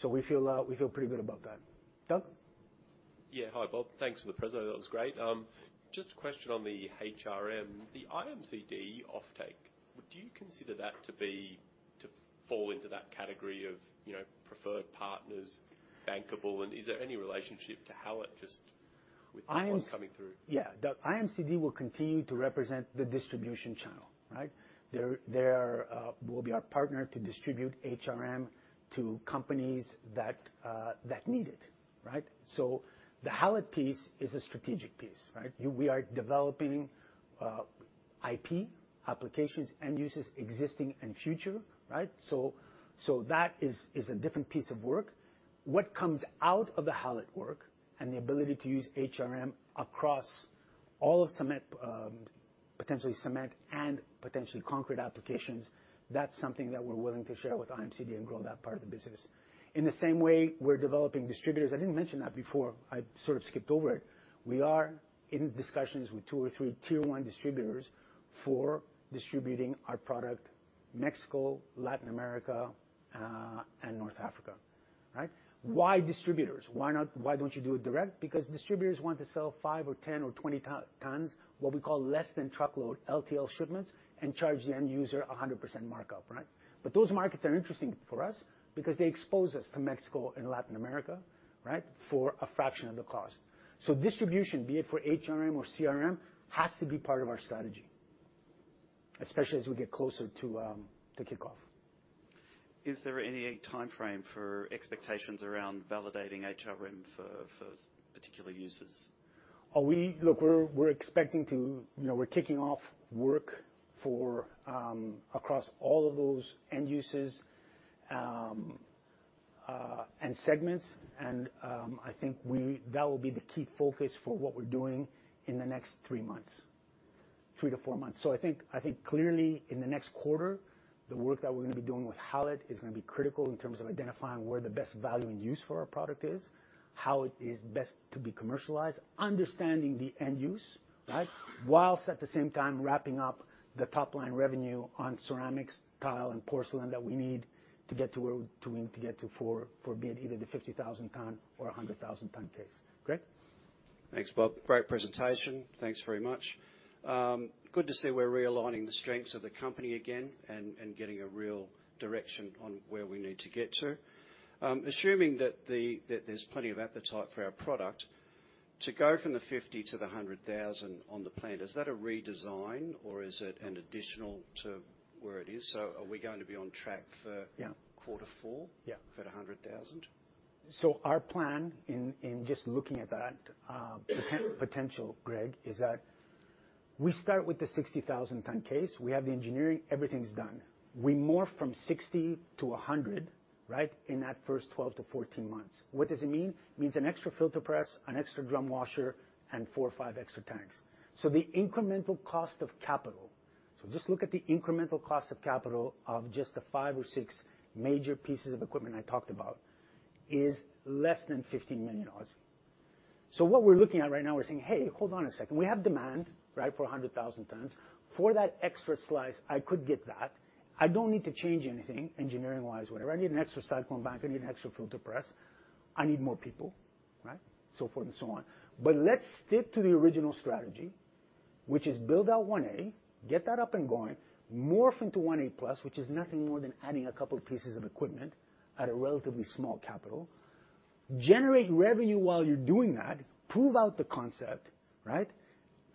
So we feel, we feel pretty good about that. Doug? Yeah. Hi, Bob. Thanks for the presentation. That was great. Just a question on the HRM, the IMCD offtake, would you consider that to be to fall into that category of, you know, preferred partners, bankable? And is there any relationship to how it just with coming through? Yeah. The IMCD will continue to represent the distribution channel, right? They will be our partner to distribute HRM to companies that need it, right? So the Hallett piece is a strategic piece, right? We are developing IP applications, end users, existing and future, right? So that is a different piece of work. What comes out of the Hallett work and the ability to use HRM across all of cement, potentially cement and potentially concrete applications, that's something that we're willing to share with IMCD and grow that part of the business. In the same way, we're developing distributors. I didn't mention that before. I sort of skipped over it. We are in discussions with two or three tier one distributors for distributing our product, Mexico, Latin America, and North Africa, right? Why distributors? Why don't you do it direct? Because distributors want to sell 5 or 10 or 20 tons, what we call less than truckload, LTL shipments, and charge the end user 100% markup, right? But those markets are interesting for us because they expose us to Mexico and Latin America, right, for a fraction of the cost. So distribution, be it for HRM or CRM, has to be part of our strategy, especially as we get closer to kickoff. Is there any timeframe for expectations around validating HRM for particular uses? Look, we're expecting to, you know, kick off work across all of those end uses and segments, and I think that will be the key focus for what we're doing in the next three months, three to four months. So I think clearly in the next quarter, the work that we're gonna be doing with Hallett is gonna be critical in terms of identifying where the best value and use for our product is, how it is best to be commercialized, understanding the end use, right? While at the same time, wrapping up the top-line revenue on ceramics, tile, and porcelain that we need to get to for being either the 50,000-ton or a 100,000-ton case. Greg? Thanks, Bob. Great presentation. Thanks very much. Good to see we're realigning the strengths of the company again and, and getting a real direction on where we need to get to. Assuming that there's plenty of appetite for our product, to go from the 50 to the 100,000 on the plant, is that a redesign, or is it an additional to where it is? So are we going to be on track for- Yeah. - quarter four? Yeah. At 100,000. So our plan in just looking at that potential, Greg, is that we start with the 60,000-ton case. We have the engineering, everything's done. We morph from 60-100, right, in that first 12-14 months. What does it mean? It means an extra filter press, an extra drum washer, and four or five extra tanks. So the incremental cost of capital, so just look at the incremental cost of capital of just the five or six major pieces of equipment I talked about, is less than 15 million dollars. So what we're looking at right now, we're saying, "Hey, hold on a second. We have demand, right, for 100,000 tons. For that extra slice, I could get that. I don't need to change anything, engineering-wise, whatever. I need an extra cyclone bank. I need an extra filter press. “I need more people, right?” So forth and so on. But let's stick to the original strategy, which is build out one A, get that up and going, morph into one A plus, which is nothing more than adding a couple pieces of equipment at a relatively small capital. Generate revenue while you're doing that, prove out the concept, right,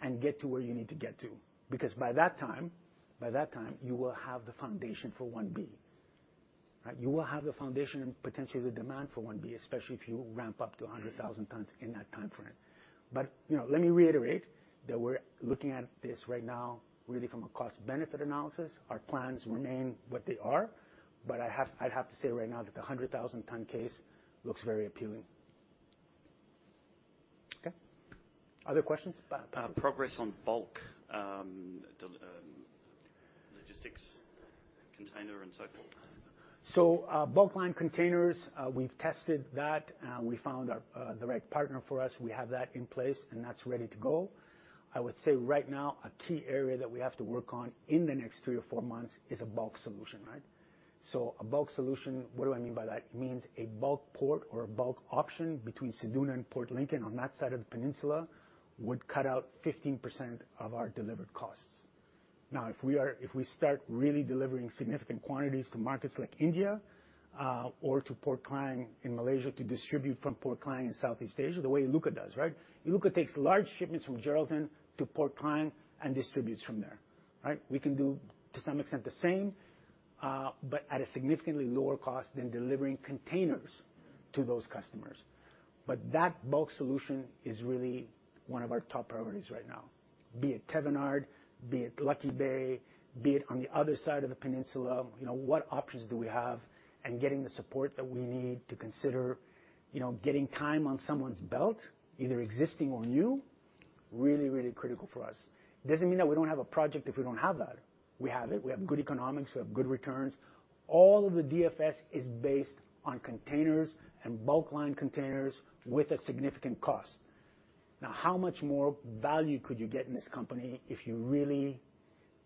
and get to where you need to get to, because by that time, by that time, you will have the foundation for one B. Right? You will have the foundation and potentially the demand for one B, especially if you ramp up to 100,000 tons in that timeframe. But, you know, let me reiterate that we're looking at this right now, really from a cost/benefit analysis. Our plans remain what they are, but I'd have to say right now that the 100,000-ton case looks very appealing. Okay. Other questions? Pat. Progress on bulk logistics, container, and so forth. So, bulk-lined containers, we've tested that, and we found our, the right partner for us. We have that in place, and that's ready to go. I would say right now, a key area that we have to work on in the next 3 or 4 months is a bulk solution, right? So a bulk solution, what do I mean by that? It means a bulk port or a bulk option between Ceduna and Port Lincoln on that side of the peninsula, would cut out 15% of our delivered costs. Now, if we start really delivering significant quantities to markets like India, or to Port Klang in Malaysia, to distribute from Port Klang in Southeast Asia, the way Iluka does, right? Iluka takes large shipments from Geraldton to Port Klang and distributes from there, right? We can do, to some extent, the same, but at a significantly lower cost than delivering containers to those customers. But that bulk solution is really one of our top priorities right now. Be it Thevenard, be it Lucky Bay, be it on the other side of the peninsula. You know, what options do we have? And getting the support that we need to consider, you know, getting time on someone's belt, either existing or new, really, really critical for us. Doesn't mean that we don't have a project if we don't have that. We have it. We have good economics, we have good returns. All of the DFS is based on containers and bulk-lined containers with a significant cost. Now, how much more value could you get in this company if you really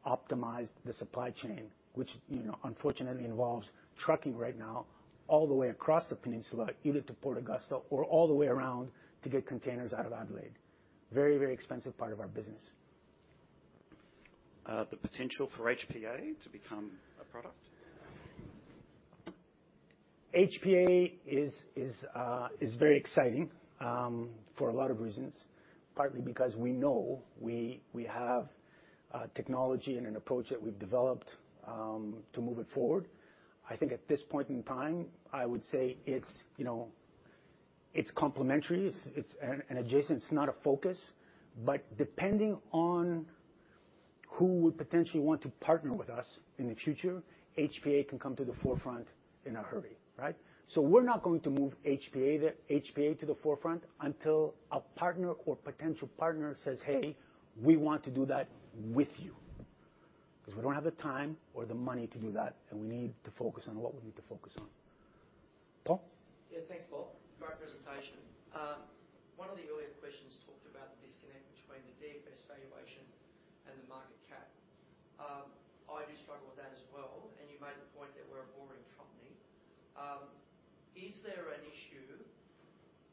optimized the supply chain, which, you know, unfortunately, involves trucking right now, all the way across the peninsula, either to Port Augusta or all the way around to get containers out of Adelaide. Very, very expensive part of our business. The potential for HPA to become a product? HPA is very exciting for a lot of reasons, partly because we know we have technology and an approach that we've developed to move it forward. I think at this point in time, I would say it's, you know, it's complementary, it's an adjacent, it's not a focus, but depending on who would potentially want to partner with us in the future, HPA can come to the forefront in a hurry, right? So we're not going to move HPA to the forefront until a partner or potential partner says, "Hey, we want to do that with you." Because we don't have the time or the money to do that, and we need to focus on what we need to focus on. Paul? Yeah, thanks, Bob. Great presentation. One of the earlier questions talked about the disconnect between the DFS valuation and the market cap. I do struggle with that as well, and you made the point that we're a boring company. Is there an issue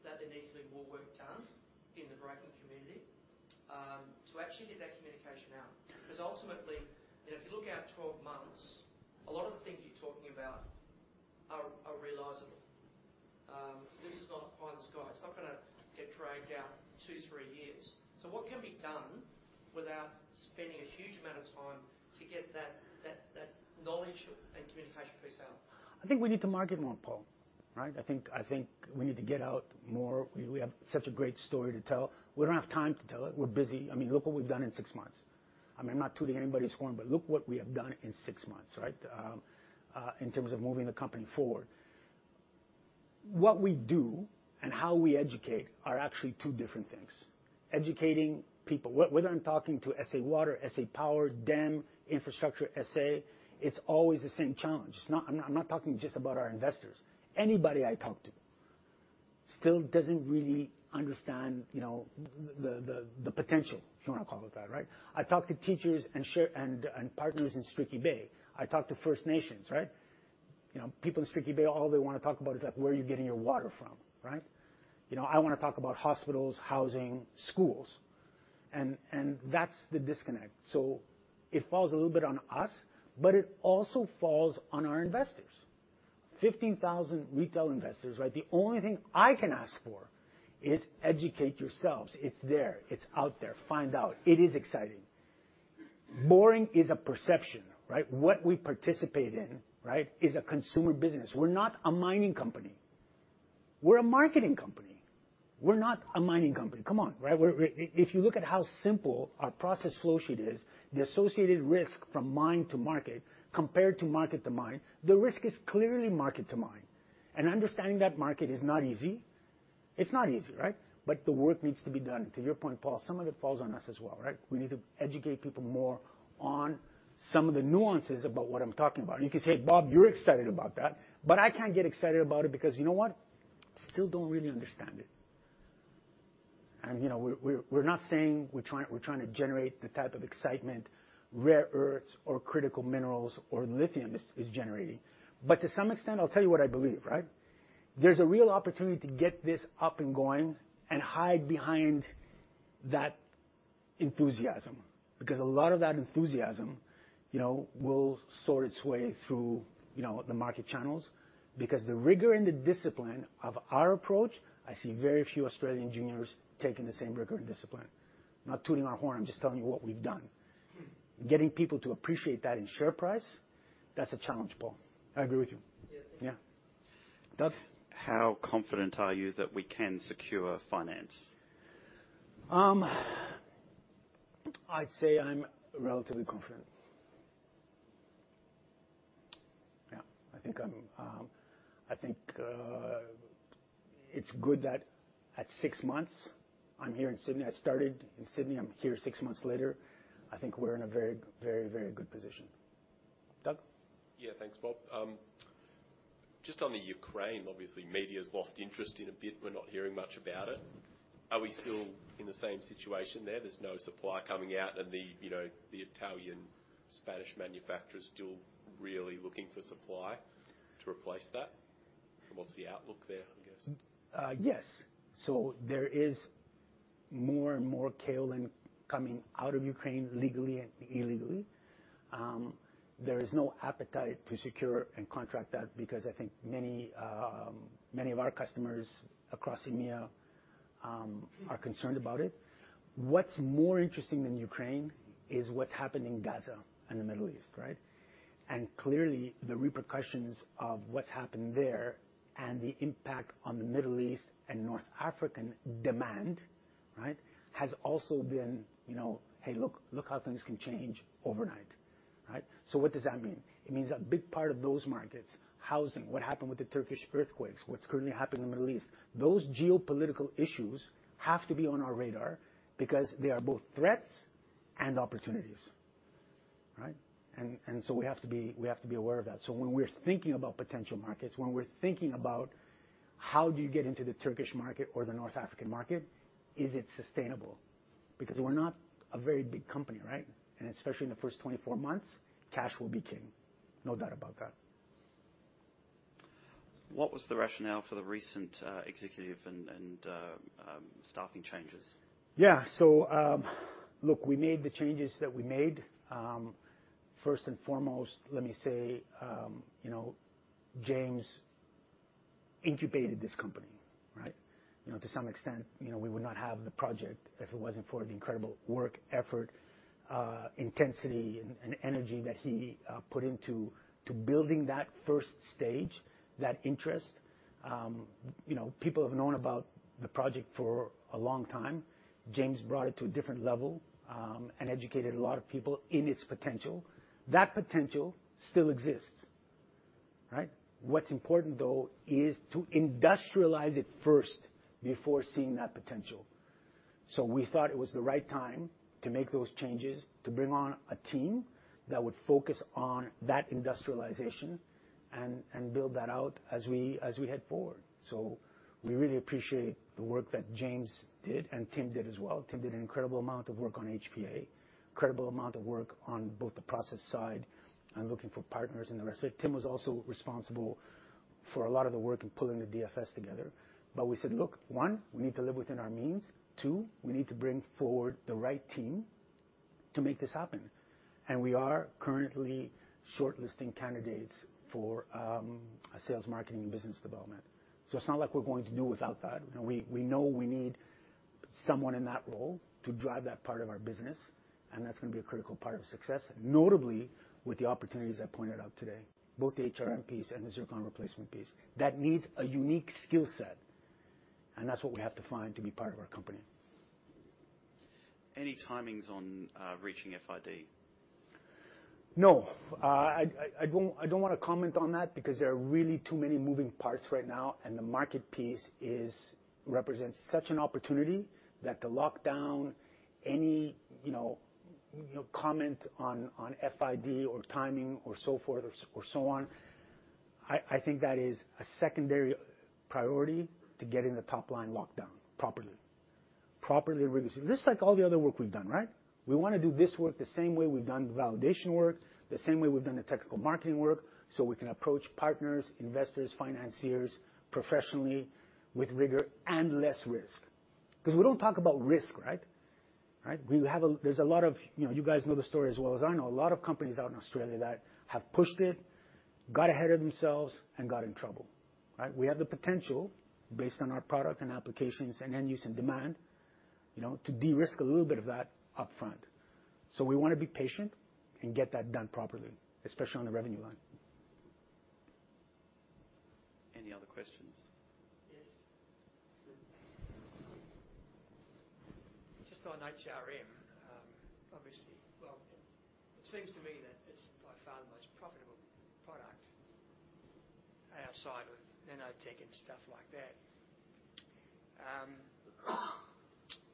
that there needs to be more work done in the broking community to actually get that communication out? Because ultimately, you know, if you look out 12 months, a lot of the things you're talking about are realizable. This is not pie in the sky. It's not gonna get dragged out 2-3 years. So what can be done without spending a huge amount of time to get that knowledge and communication piece out? I think we need to market more, Paul, right? I think we need to get out more. We have such a great story to tell. We don't have time to tell it. We're busy. I mean, look what we've done in six months. I mean, I'm not tooting anybody's horn, but look what we have done in six months, right? In terms of moving the company forward. What we do and how we educate are actually two different things. Educating people... Whether I'm talking to SA Water, SA Power, and Infrastructure SA, it's always the same challenge. It's not—I'm not talking just about our investors. Anybody I talk to still doesn't really understand, you know, the potential, if you wanna call it that, right? I talk to teachers and shareholders and partners in Streaky Bay. I talk to First Nations, right? You know, people in Streaky Bay, all they wanna talk about is, like, where are you getting your water from, right? You know, I wanna talk about hospitals, housing, schools, and, and that's the disconnect. So it falls a little bit on us, but it also falls on our investors. 15,000 retail investors, right? The only thing I can ask for is educate yourselves. It's there. It's out there. Find out. It is exciting. Boring is a perception, right? What we participate in, right, is a consumer business. We're not a mining company. We're a marketing company. We're not a mining company. Come on, right? We're, if, if you look at how simple our process flow sheet is, the associated risk from mine to market compared to market to mine, the risk is clearly market to mine. Understanding that market is not easy. It's not easy, right? The work needs to be done. To your point, Paul, some of it falls on us as well, right? We need to educate people more on some of the nuances about what I'm talking about. You can say, "Bob, you're excited about that," but I can't get excited about it because you know what? Still don't really understand it. And, you know, we're not saying we're trying; we're trying to generate the type of excitement rare earths or critical minerals or lithium is generating. To some extent, I'll tell you what I believe, right? There's a real opportunity to get this up and going and hide behind that enthusiasm, because a lot of that enthusiasm, you know, will sort its way through, you know, the market channels, because the rigor and the discipline of our approach, I see very few Australian juniors taking the same rigor and discipline. Not tooting our horn, I'm just telling you what we've done. Getting people to appreciate that in share price, that's a challenge, Paul. I agree with you. Yeah. Yeah. Doug? How confident are you that we can secure finance? I'd say I'm relatively confident. I think it's good that at six months, I'm here in Sydney. I started in Sydney, I'm here six months later. I think we're in a very, very, very good position. Doug? Yeah, thanks, Bob. Just on the Ukraine, obviously, media's lost interest in a bit. We're not hearing much about it. Are we still in the same situation there? There's no supply coming out, and the, you know, the Italian, Spanish manufacturers still really looking for supply to replace that? What's the outlook there, I guess? Yes. So there is more and more kaolin coming out of Ukraine, legally and illegally. There is no appetite to secure and contract that because I think many, many of our customers across EMEA, are concerned about it. What's more interesting than Ukraine is what's happened in Gaza and the Middle East, right? And clearly, the repercussions of what's happened there and the impact on the Middle East and North African demand, right, has also been, you know, hey, look, look how things can change overnight, right? So what does that mean? It means that a big part of those markets, housing, what happened with the Turkish earthquakes, what's currently happening in the Middle East, those geopolitical issues have to be on our radar because they are both threats and opportunities, right? And, and so we have to be, we have to be aware of that. When we're thinking about potential markets, when we're thinking about how do you get into the Turkish market or the North African market, is it sustainable? Because we're not a very big company, right? And especially in the first 24 months, cash will be king. No doubt about that. What was the rationale for the recent executive and staffing changes? Yeah. So, look, we made the changes that we made. First and foremost, let me say, you know, James incubated this company, right? You know, to some extent, you know, we would not have the project if it wasn't for the incredible work, effort, intensity, and energy that he put into building that first stage, that interest. You know, people have known about the project for a long time. James brought it to a different level, and educated a lot of people in its potential. That potential still exists, right? What's important, though, is to industrialize it first before seeing that potential. So we thought it was the right time to make those changes, to bring on a team that would focus on that industrialization and build that out as we head forward. So we really appreciate the work that James did and Tim did as well. Tim did an incredible amount of work on HPA, incredible amount of work on both the process side and looking for partners and the rest of it. Tim was also responsible for a lot of the work in pulling the DFS together. But we said, "Look, one, we need to live within our means. Two, we need to bring forward the right team to make this happen." And we are currently shortlisting candidates for a sales, marketing, and business development. So it's not like we're going to do without that. We, we know we need someone in that role to drive that part of our business, and that's gonna be a critical part of success, notably with the opportunities I pointed out today, both the HRM piece and the zircon replacement piece. That needs a unique skill set, and that's what we have to find to be part of our company. Any timings on reaching FID? No. I don't wanna comment on that because there are really too many moving parts right now, and the market piece represents such an opportunity that to lock down any, you know, comment on FID or timing or so forth or so on, I think that is a secondary priority to getting the top line locked down properly. Properly, this is like all the other work we've done, right? We wanna do this work the same way we've done the validation work, the same way we've done the technical marketing work, so we can approach partners, investors, financiers, professionally, with rigor and less risk. 'Cause we don't talk about risk, right? Right? There's a lot of... You know, you guys know the story as well as I know. A lot of companies out in Australia that have pushed it, got ahead of themselves, and got in trouble, right? We have the potential, based on our product and applications and end use and demand, you know, to de-risk a little bit of that upfront. So we wanna be patient and get that done properly, especially on the revenue line. Any other questions? Yes. Just on HRM, obviously... Well, it seems to me that it's by far the most profitable product outside of nanotech and stuff like that.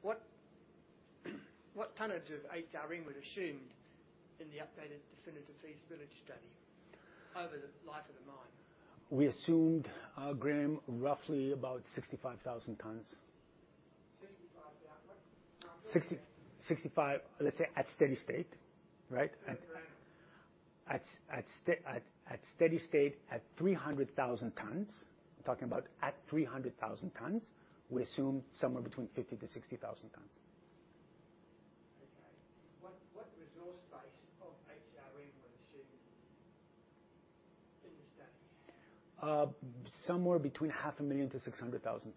What, what tonnage of HRM was assumed in the updated Definitive Feasibility Study over the life of the mine? We assumed, Graham, roughly about 65,000 tons. Sixty-five what? 60-65, let's say, at steady state, right? At random. At steady state, at 300,000 tons. I'm talking about at 300,000 tons, we assume somewhere between 50,000-60,000 tons. Okay. What resource price of HRM were you seeing in the study? Somewhere between 500,000-600,000 tons.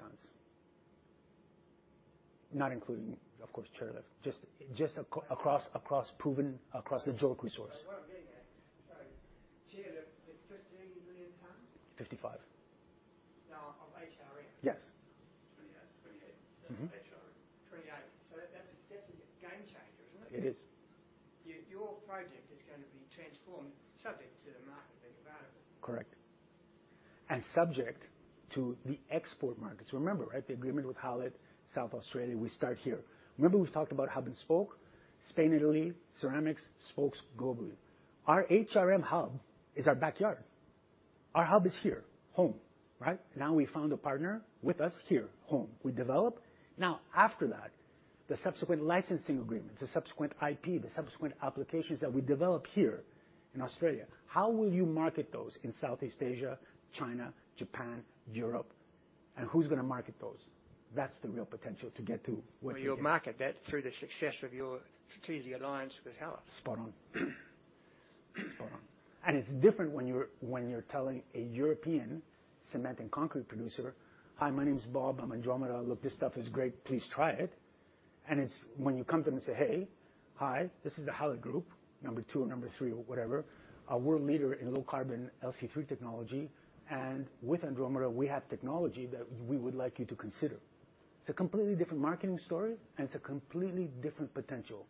Not including, of course, Chairlift, just across proven, across the JORC resource. Well, yeah. Chairlift is 15 million tons? Fifty-five. Now, of HRM? Yes. HRM 28. So that's, that's a game changer, isn't it? It is. Your project is going to be transformed, subject to the market being available. Correct. And subject to the export markets. Remember, right, the agreement with Hallett, South Australia, we start here. Remember, we talked about hub and spoke? Spain, Italy, ceramics, spokes globally. Our HRM hub is our backyard. Our hub is here, home, right? Now, we found a partner with us here, home. We develop. Now, after that, the subsequent licensing agreements, the subsequent IP, the subsequent applications that we develop here in Australia, how will you market those in Southeast Asia, China, Japan, Europe? And who's going to market those? That's the real potential to get to what- Well, you'll market that through the success of your strategic alliance with Hallett. Spot on. Spot on. And it's different when you're, when you're telling a European cement and concrete producer: "Hi, my name is Bob. I'm Andromeda. Look, this stuff is great. Please try it." And it's when you come to them and say, "Hey, hi, this is the Hallett Group," number 2 or number 3 or whatever, "We're a leader in low-carbon LC3 technology, and with Andromeda, we have technology that we would like you to consider." It's a completely different marketing story, and it's a completely different potential,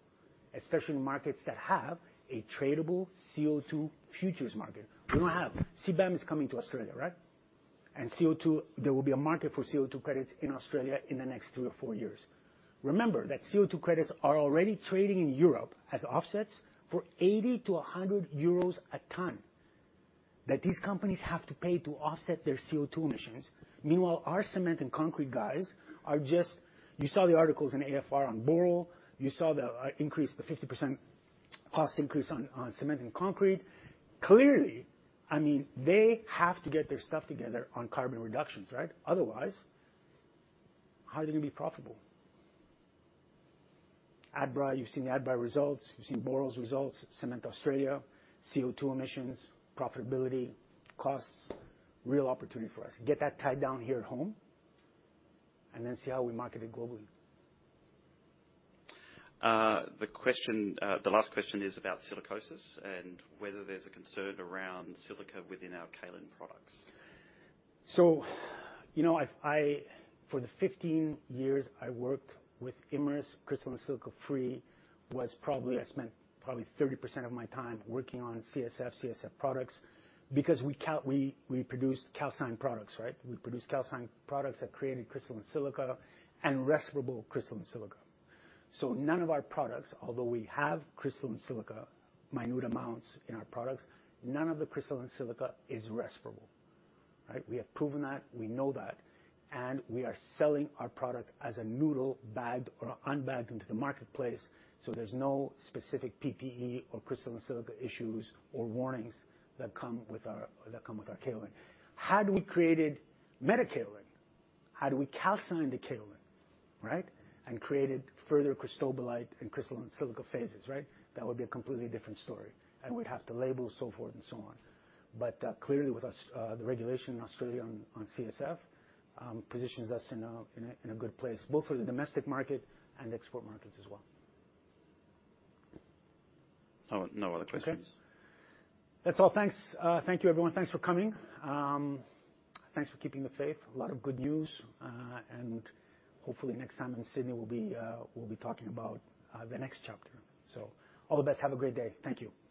especially in markets that have a tradable CO2 futures market. We don't have. CBAM is coming to Australia, right? And CO2, there will be a market for CO2 credits in Australia in the next 2-4 years. Remember that CO2 credits are already trading in Europe as offsets for 80-100 euros/ton, that these companies have to pay to offset their CO2 emissions. Meanwhile, our cement and concrete guys are just... You saw the articles in AFR on Boral. You saw the increase, the 50% cost increase on cement and concrete. Clearly, I mean, they have to get their stuff together on carbon reductions, right? Otherwise, how are they going to be profitable? Adbri, you've seen Adbri results, you've seen Boral's results, Cement Australia, CO2 emissions, profitability, costs, real opportunity for us. Get that tied down here at home, and then see how we market it globally. The question, the last question is about silicosis and whether there's a concern around silica within our kaolin products. So, you know, I've for the 15 years I worked with Imerys, crystalline silica-free, was probably, I spent probably 30% of my time working on CSF, CSF products, because we produced calcined products, right? We produced calcined products that created crystalline silica and respirable crystalline silica. So none of our products, although we have crystalline silica, minute amounts in our products, none of the crystalline silica is respirable, right? We have proven that, we know that, and we are selling our product as a noodle, bagged or unbagged into the marketplace, so there's no specific PPE or crystalline silica issues or warnings that come with our, that come with our kaolin. Had we created metakaolin, had we calcined the kaolin, right, and created further cristobalite and crystalline silica phases, right? That would be a completely different story, and we'd have to label, so forth and so on. But, clearly, with us, the regulation in Australia on CSF positions us in a good place, both for the domestic market and export markets as well. No other questions. Okay. That's all. Thanks. Thank you, everyone. Thanks for coming. Thanks for keeping the faith. A lot of good news, and hopefully next time in Sydney, we'll be, we'll be talking about the next chapter. So all the best. Have a great day. Thank you.